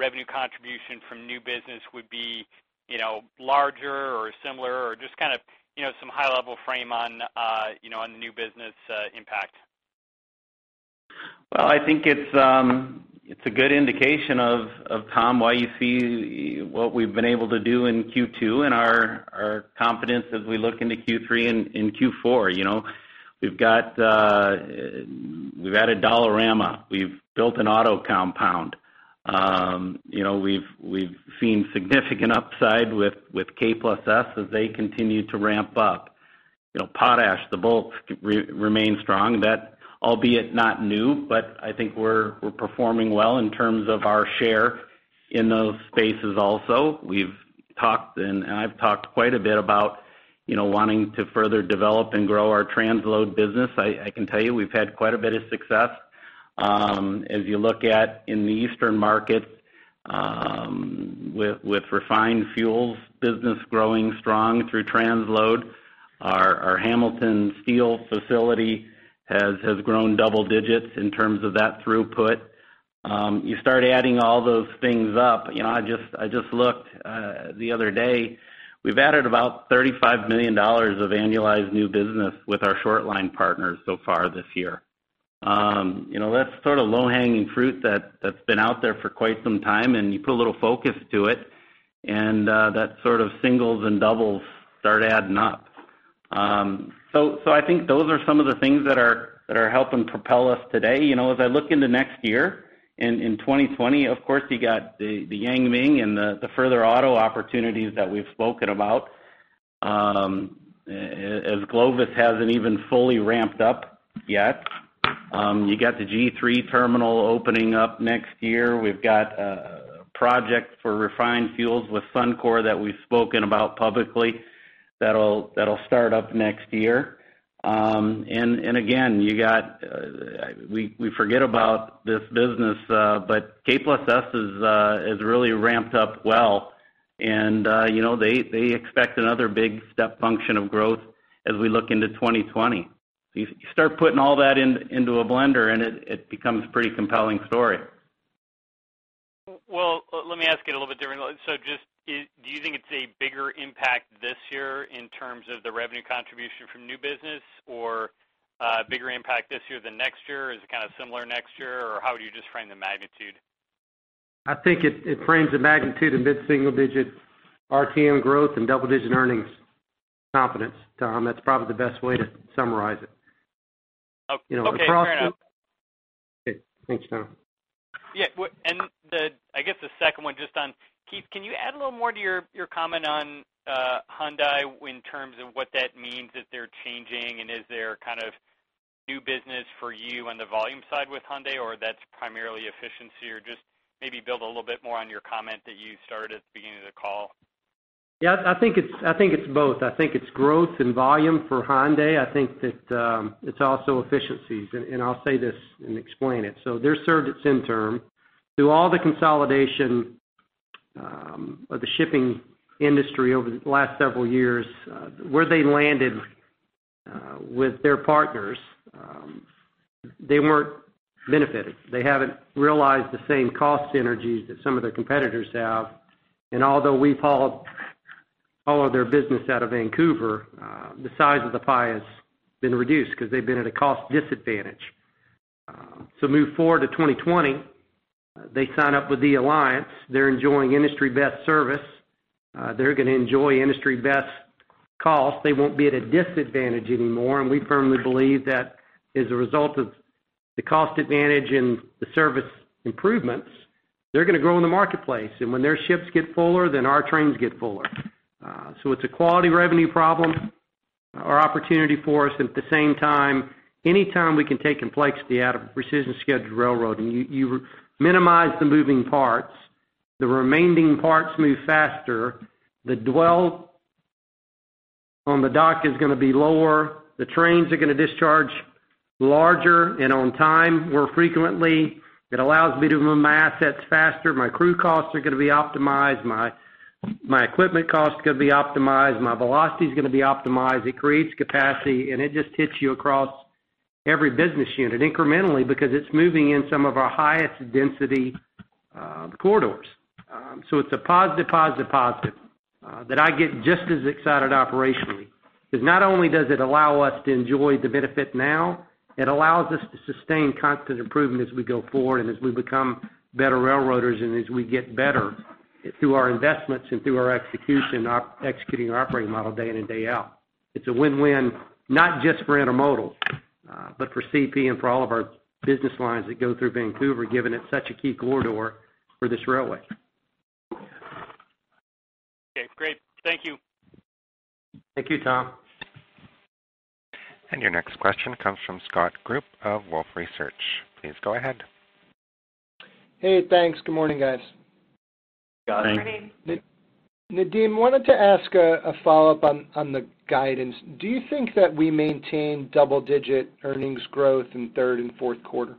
revenue contribution from new business would be larger or similar or just some high-level frame on the new business impact. I think it's a good indication of, Tom, why you see what we've been able to do in Q2 and our confidence as we look into Q3 and Q4. We've added Dollarama. We've built an auto compound. We've seen significant upside with K+S as they continue to ramp up. Potash, the bulk remains strong. That albeit not new, but I think we're performing well in terms of our share in those spaces also. We've talked, I've talked quite a bit about wanting to further develop and grow our transload business. I can tell you we've had quite a bit of success. As you look at in the Eastern market with refined fuels business growing strong through transload. Our Hamilton steel facility has grown double digits in terms of that throughput. You start adding all those things up. I just looked the other day, we've added about 35 million dollars of annualized new business with our short line partners so far this year. That's sort of low-hanging fruit that's been out there for quite some time, and you put a little focus to it, and that sort of singles and doubles start adding up. I think those are some of the things that are helping propel us today. As I look into next year, in 2020, of course, you got the Yang Ming and the further auto opportunities that we've spoken about, as GLOVIS hasn't even fully ramped up yet. You got the G3 terminal opening up next year. We've got a project for refined fuels with Suncor that we've spoken about publicly that'll start up next year. Again, we forget about this business, K+S has really ramped up well and they expect another big step function of growth as we look into 2020. You start putting all that into a blender and it becomes a pretty compelling story. Let me ask it a little bit differently. Just, do you think it's a bigger impact this year in terms of the revenue contribution from new business, or a bigger impact this year than next year? Is it kind of similar next year, or how would you describe the magnitude? I think it frames the magnitude in mid-single digit RTM growth and double-digit earnings confidence, Tom. That's probably the best way to summarize it. Okay, fair enough. Okay. Thanks, Tom. I guess the second one, just on-- Keith, can you add a little more to your comment on Hyundai in terms of what that means that they're changing, is there kind of new business for you on the volume side with Hyundai, or that's primarily efficiency? Or just maybe build a little bit more on your comment that you started at the beginning of the call. Yeah, I think it's both. I think it's growth and volume for Hyundai. I think that it's also efficiencies, and I'll say this and explain it. They're served at Deltaport. Through all the consolidation of the shipping industry over the last several years, where they landed with their partners they weren't benefitting. They haven't realized the same cost synergies that some of their competitors have. Although we follow their business out of Vancouver, the size of the pie has been reduced because they've been at a cost disadvantage. Move forward to 2020, they sign up with the alliance. They're enjoying industry-best service. They're going to enjoy industry-best cost. They won't be at a disadvantage anymore, and we firmly believe that as a result of the cost advantage and the service improvements, they're going to grow in the marketplace. When their ships get fuller, our trains get fuller. It's a quality revenue problem or opportunity for us, at the same time, any time we can take complexity out of precision scheduled railroading, you minimize the moving parts. The remaining parts move faster. The dwell on the dock is going to be lower. The trains are going to discharge larger and on time more frequently. It allows me to move my assets faster. My crew costs are going to be optimized. My equipment costs could be optimized. My velocity is going to be optimized. It creates capacity, it just hits you across every business unit incrementally because it's moving in some of our highest density corridors. It's a positive, positive, positive that I get just as excited operationally, because not only does it allow us to enjoy the benefit now, it allows us to sustain constant improvement as we go forward as we become better railroaders as we get better through our investments and through our execution, executing our operating model day in and day out. It's a win-win not just for intermodal, but for CP and for all of our business lines that go through Vancouver, given it's such a key corridor for this railway. Okay, great. Thank you. Thank you, Tom. Your next question comes from Scott Group of Wolfe Research. Please go ahead. Hey, thanks. Good morning, guys. Good morning. Good morning. Nadeem, wanted to ask a follow-up on the guidance. Do you think that we maintain double-digit earnings growth in third and fourth quarter?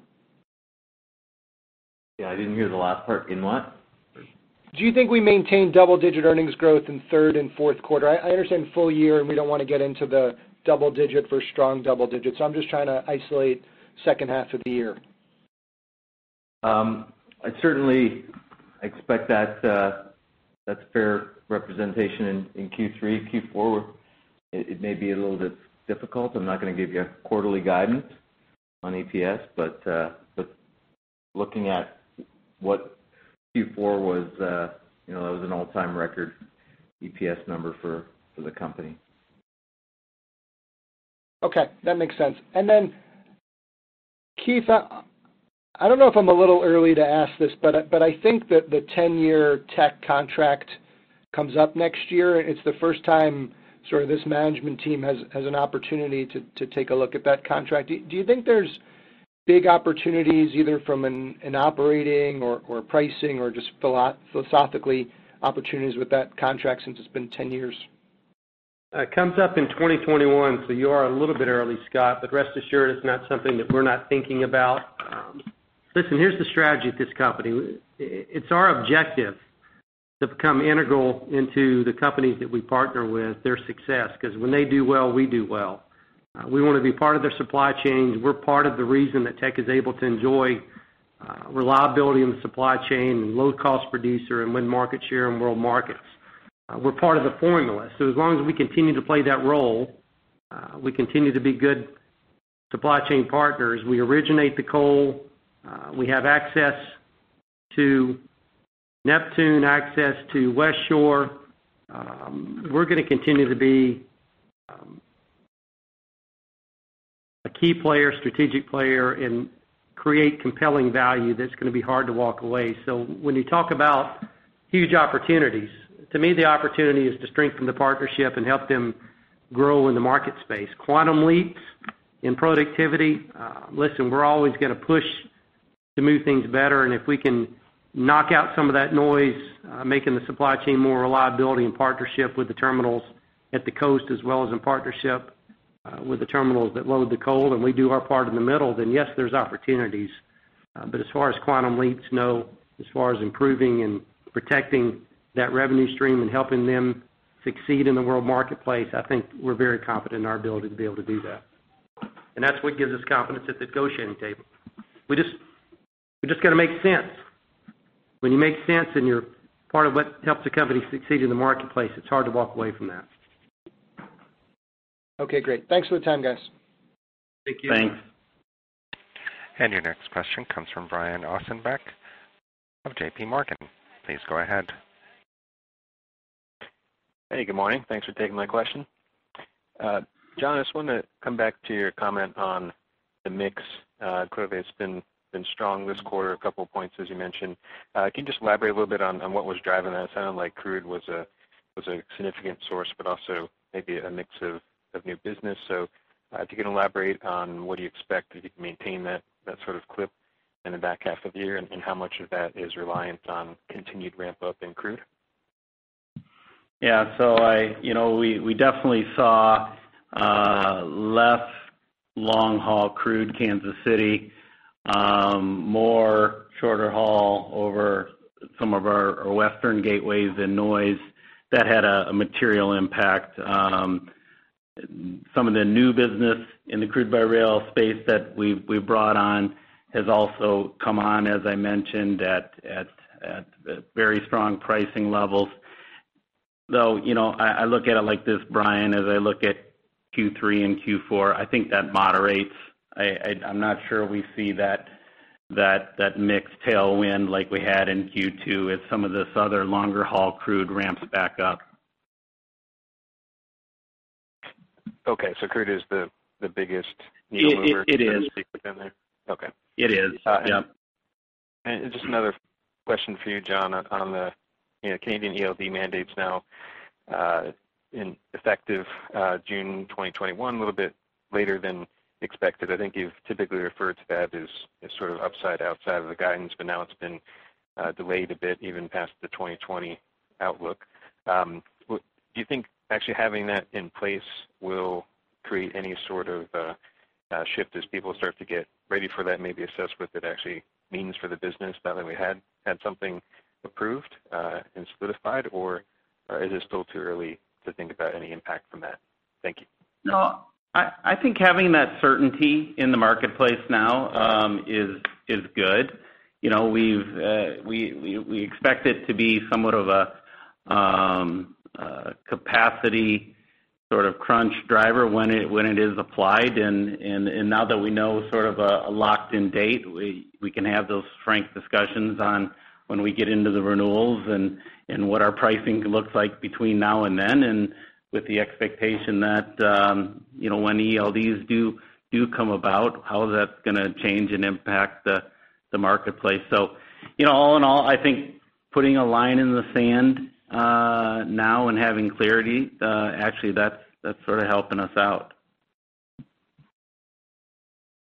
Yeah, I didn't hear the last part. In what? Do you think we maintain double-digit earnings growth in third and fourth quarter? I understand full year. We don't want to get into the double digit versus strong double digits. I'm just trying to isolate second half of the year. I certainly expect that's fair representation in Q3. Q4, it may be a little bit difficult. I'm not going to give you a quarterly guidance on EPS. Looking at what Q4 was, that was an all time record EPS number for the company. Okay. That makes sense. Keith, I don't know if I'm a little early to ask this, but I think that the 10-year Teck contract comes up next year, and it's the first time sort of this management team has an opportunity to take a look at that contract. Do you think there's big opportunities either from an operating or pricing or just philosophically opportunities with that contract since it's been 10 years? It comes up in 2021. You are a little bit early, Scott, rest assured, it's not something that we're not thinking about. Listen, here's the strategy at this company. It's our objective to become integral into the companies that we partner with their success, because when they do well, we do well. We want to be part of their supply chains. We're part of the reason that Teck is able to enjoy Reliability in the supply chain and low cost producer and win market share in world markets. We're part of the formula. As long as we continue to play that role, we continue to be good supply chain partners. We originate the coal, we have access to Neptune, access to Westshore. We're going to continue to be a key player, strategic player, and create compelling value that's going to be hard to walk away. When you talk about huge opportunities, to me, the opportunity is to strengthen the partnership and help them grow in the market space. Quantum leaps in productivity, listen, we're always going to push to move things better. If we can knock out some of that noise, making the supply chain more reliability in partnership with the terminals at the coast as well as in partnership with the terminals that load the coal, we do our part in the middle, yes, there's opportunities. As far as quantum leaps, no. As far as improving and protecting that revenue stream and helping them succeed in the world marketplace, I think we're very confident in our ability to be able to do that. That's what gives us confidence at the negotiating table. We just got to make sense. When you make sense, you're part of what helps the company succeed in the marketplace, it's hard to walk away from that. Okay, great. Thanks for the time, guys. Thank you. Thanks. Your next question comes from Brian Ossenbeck of JPMorgan. Please go ahead. Hey, good morning. Thanks for taking my question. John, I just wanted to come back to your comment on the mix. Clearly, it's been strong this quarter, a couple of points as you mentioned. Can you just elaborate a little bit on what was driving that? It sounded like crude was a significant source, but also maybe a mix of new business. If you could elaborate on what you expect. Do you think you can maintain that sort of clip in the back half of the year? How much of that is reliant on continued ramp-up in crude? Yeah. We definitely saw less long-haul crude Kansas City, more shorter haul over some of our Western gateways and that had a material impact. Some of the new business in the crude by rail space that we've brought on has also come on, as I mentioned, at very strong pricing levels. I look at it like this, Brian, as I look at Q3 and Q4, I think that moderates. I'm not sure we see that mix tailwind like we had in Q2 as some of this other longer haul crude ramps back up. Okay. Crude is the biggest mover. It is in there? Okay. It is. Yep. Just another question for you, John, on the Canadian ELD mandates now in effective June 2021, a little bit later than expected. I think you've typically referred to that as sort of upside outside of the guidance, but now it's been delayed a bit, even past the 2020 outlook. Do you think actually having that in place will create any sort of shift as people start to get ready for that, maybe assess what that actually means for the business now that we had something approved and solidified? Or is it still too early to think about any impact from that? Thank you. No, I think having that certainty in the marketplace now is good. We expect it to be somewhat of a capacity crunch driver when it is applied, and now that we know a locked-in date, we can have those frank discussions on when we get into the renewals and what our pricing looks like between now and then. With the expectation that when ELDs do come about, how that's going to change and impact the marketplace. All in all, I think putting a line in the sand now and having clarity, actually that's sort of helping us out.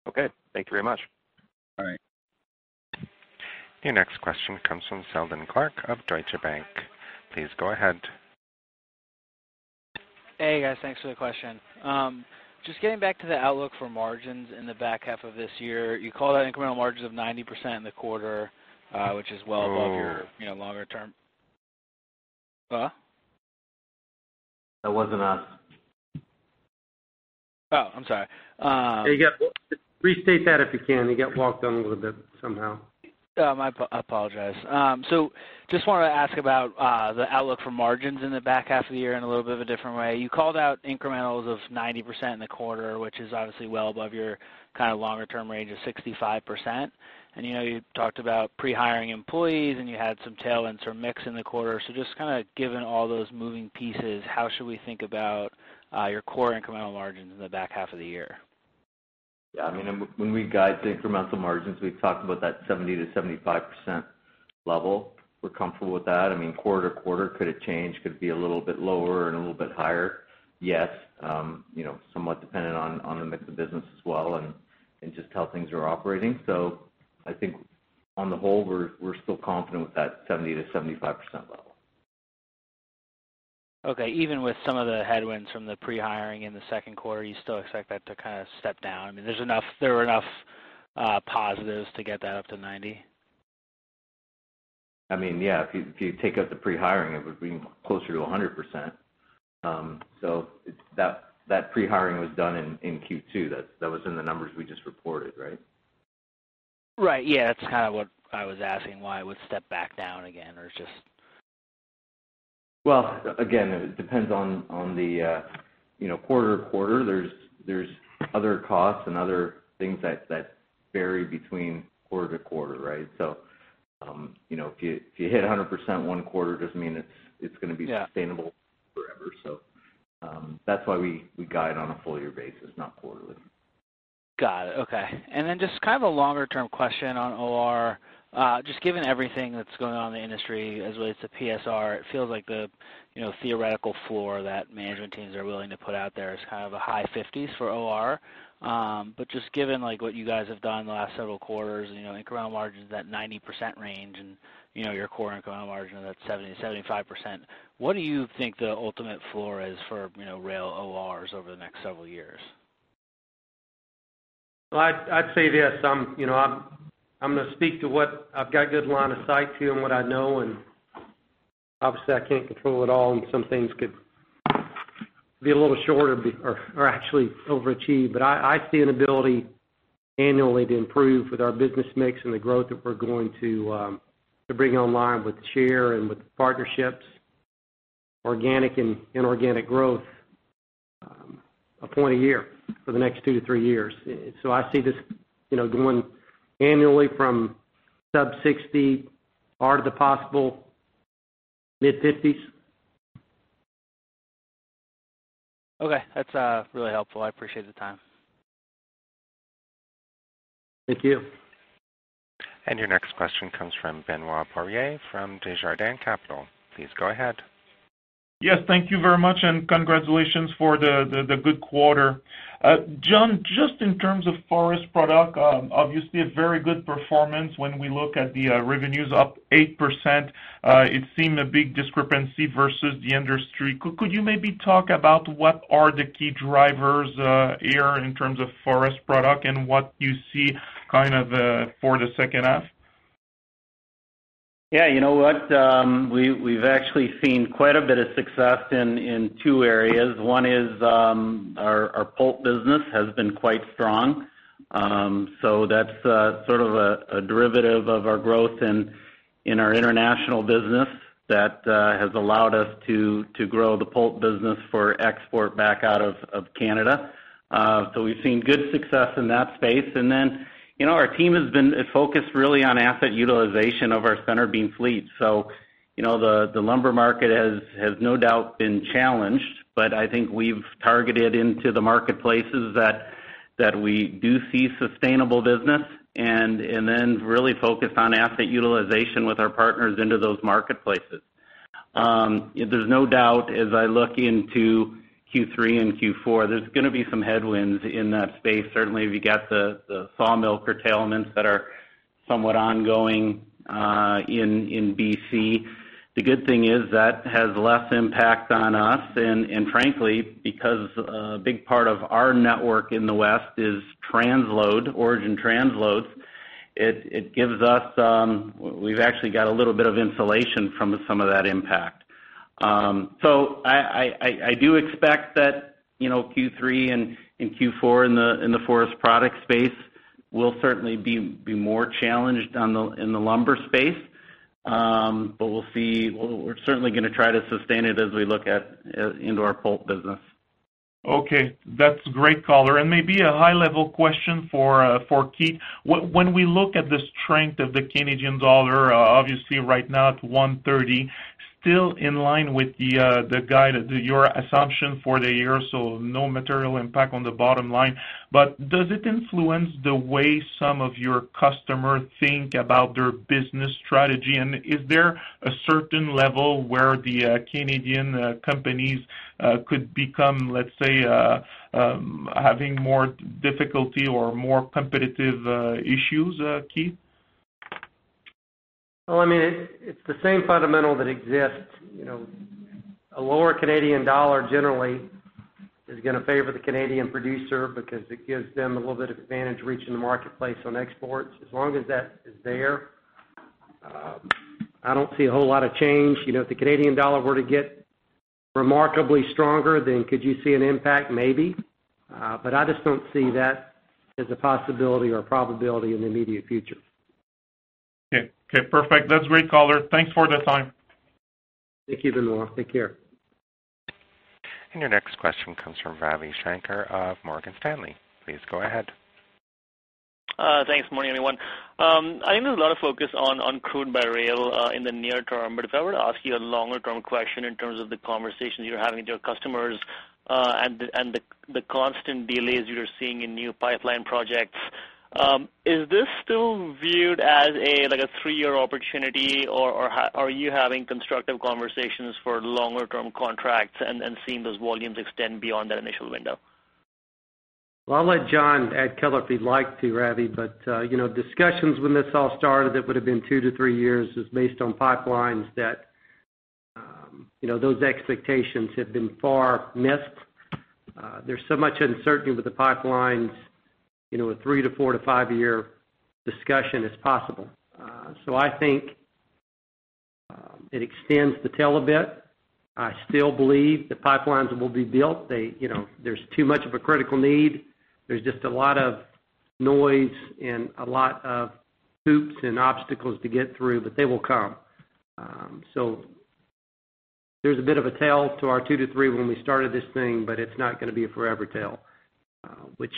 Okay. Thank you very much. All right. Your next question comes from Seldon Clarke of Deutsche Bank. Please go ahead. Hey, guys. Thanks for the question. Just getting back to the outlook for margins in the back half of this year. You called out incremental margins of 90% in the quarter which is well above your longer term. Huh? That wasn't us. Oh, I'm sorry. Hey, restate that if you can. It got walked on a little bit somehow. I apologize. Just wanted to ask about the outlook for margins in the back half of the year in a little bit of a different way. You called out incrementals of 90% in the quarter, which is obviously well above your kind of longer-term range of 65%. You talked about pre-hiring employees, and you had some tailwinds from mix in the quarter. Just kind of given all those moving pieces, how should we think about your core incremental margins in the back half of the year? Yeah. When we guide the incremental margins, we've talked about that 70%-75% level. We're comfortable with that. Quarter-to-quarter could it change? Could it be a little bit lower and a little bit higher? Yes. Somewhat dependent on the mix of business as well and just how things are operating. I think on the whole, we're still confident with that 70%-75% level. Okay. Even with some of the headwinds from the pre-hiring in the second quarter, you still expect that to kind of step down? There were enough positives to get that up to 90%? I mean, yeah, if you take out the pre-hiring, it would be closer to 100%. That pre-hiring was done in Q2. That was in the numbers we just reported, right? Right. Yeah, that's kind of what I was asking, why it would step back down again. Well, again, it depends on the quarter to quarter. There's other costs and other things that vary between quarter to quarter, right? If you hit 100% one quarter, it doesn't mean it's going to be sustainable forever. That's why we guide on a full-year basis, not quarterly. Got it. Okay. Just kind of a longer-term question on OR. Given everything that's going on in the industry as it relates to PSR, it feels like the theoretical floor that management teams are willing to put out there is kind of a high 50s for OR. Just given what you guys have done in the last several quarters, incremental margins at that 90% range, and your core incremental margin at that 70%-75%, what do you think the ultimate floor is for rail ORs over the next several years? Well, I'd say this. I'm going to speak to what I've got good line of sight to and what I know, and obviously, I can't control it all, and some things could be a little short or actually overachieve. I see an ability annually to improve with our business mix and the growth that we're going to bring online with chair and with partnerships, organic and inorganic growth, a point a year for the next two to three years. I see this going annually from sub 60 out of the possible mid-50s. Okay, that's really helpful. I appreciate the time. Thank you. Your next question comes from Benoit Poirier from Desjardins Capital. Please go ahead. Yes, thank you very much, and congratulations for the good quarter. John, just in terms of forest product, obviously a very good performance when we look at the revenues up 8%. It seemed a big discrepancy versus the industry. Could you maybe talk about what are the key drivers here in terms of forest product and what you see kind of for the second half? You know what? We've actually seen quite a bit of success in two areas. One is our pulp business has been quite strong. That's sort of a derivative of our growth in our international business that has allowed us to grow the pulp business for export back out of Canada. We've seen good success in that space. Our team has been focused really on asset utilization of our centerbeam fleet. The lumber market has no doubt been challenged, but I think we've targeted into the marketplaces that we do see sustainable business and then really focused on asset utilization with our partners into those marketplaces. There's no doubt, as I look into Q3 and Q4, there's going to be some headwinds in that space. Certainly, we got the sawmill curtailments that are somewhat ongoing in BC. The good thing is that has less impact on us, and frankly, because a big part of our network in the West is transload, origin transloads, we've actually got a little bit of insulation from some of that impact. I do expect that Q3 and Q4 in the forest product space will certainly be more challenged in the lumber space. We're certainly going to try to sustain it as we look into our pulp business. Okay, that's great color. Maybe a high-level question for Keith. When we look at the strength of the Canadian dollar, obviously right now at 130, still in line with your assumption for the year, no material impact on the bottom line. Does it influence the way some of your customers think about their business strategy? Is there a certain level where the Canadian companies could become, let's say, having more difficulty or more competitive issues, Keith? Well, it's the same fundamental that exists. A lower Canadian dollar generally is going to favor the Canadian producer because it gives them a little bit of advantage reaching the marketplace on exports. As long as that is there, I don't see a whole lot of change. If the Canadian dollar were to get remarkably stronger, could you see an impact? Maybe. I just don't see that as a possibility or probability in the immediate future. Okay, perfect. That's great color. Thanks for the time. Thank you, Benoit. Take care. Your next question comes from Ravi Shanker of Morgan Stanley. Please go ahead. Thanks. Morning, everyone. I know there's a lot of focus on crude by rail in the near term, but if I were to ask you a longer-term question in terms of the conversations you're having with your customers and the constant delays you're seeing in new pipeline projects, is this still viewed as a three-year opportunity, or are you having constructive conversations for longer-term contracts and seeing those volumes extend beyond that initial window? Well, I'll let John add color if he'd like to, Ravi, but discussions when this all started, it would have been two to three years is based on pipelines. Those expectations have been far missed. There's so much uncertainty with the pipelines, a three- to four- to five-year discussion is possible. I think it extends the tail a bit. I still believe the pipelines will be built. There's too much of a critical need. There's just a lot of noise and a lot of hoops and obstacles to get through, but they will come. There's a bit of a tail to our two to three when we started this thing, but it's not going to be a forever tail, which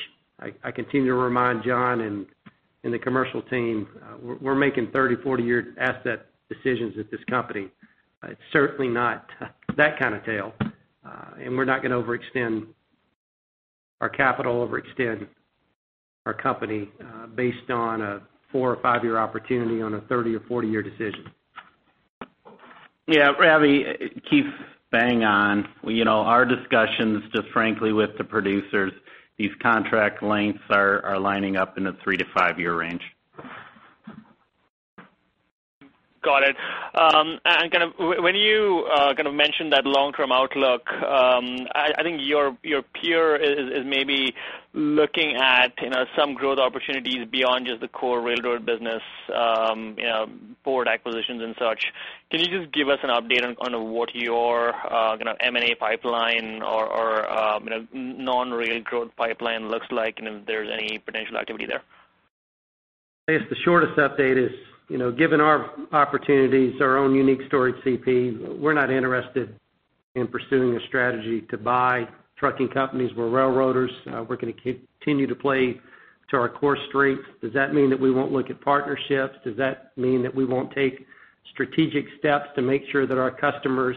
I continue to remind John and the commercial team, we're making 30, 40-year asset decisions at this company. It's certainly not that kind of tail, and we're not going to overextend our capital, overextend our company based on a four- or five-year opportunity on a 30- or 40-year decision. Yeah. Ravi, Keith's bang on. Our discussions, just frankly with the producers, these contract lengths are lining up in a three- to five-year range. Got it. When you mentioned that long-term outlook, I think your peer is maybe looking at some growth opportunities beyond just the core railroad business, port acquisitions and such. Can you just give us an update on what your M&A pipeline or non-railroad growth pipeline looks like, and if there's any potential activity there? I guess the shortest update is, given our opportunities, our own unique storage CP, we're not interested in pursuing a strategy to buy trucking companies. We're railroaders. We're going to continue to play to our core strengths. Does that mean that we won't look at partnerships? Does that mean that we won't take strategic steps to make sure that our customers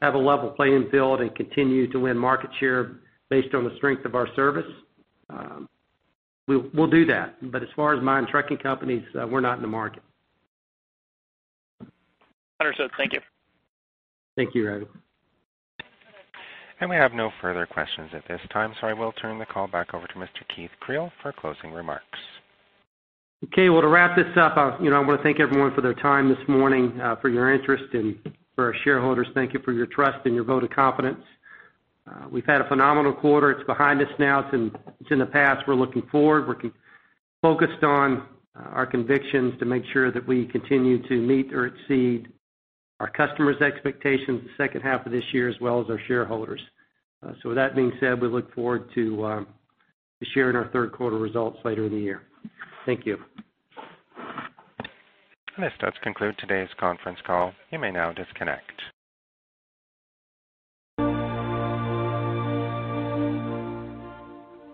have a level playing field and continue to win market share based on the strength of our service? We'll do that. As far as buying trucking companies, we're not in the market. Understood. Thank you. Thank you, Ravi. We have no further questions at this time, so I will turn the call back over to Mr. Keith Creel for closing remarks. Okay. Well, to wrap this up, I want to thank everyone for their time this morning, for your interest. For our shareholders, thank you for your trust and your vote of confidence. We've had a phenomenal quarter. It's behind us now. It's in the past. We're looking forward. We're focused on our convictions to make sure that we continue to meet or exceed our customers' expectations the second half of this year, as well as our shareholders. With that being said, we look forward to sharing our third quarter results later in the year. Thank you. This does conclude today's conference call. You may now disconnect.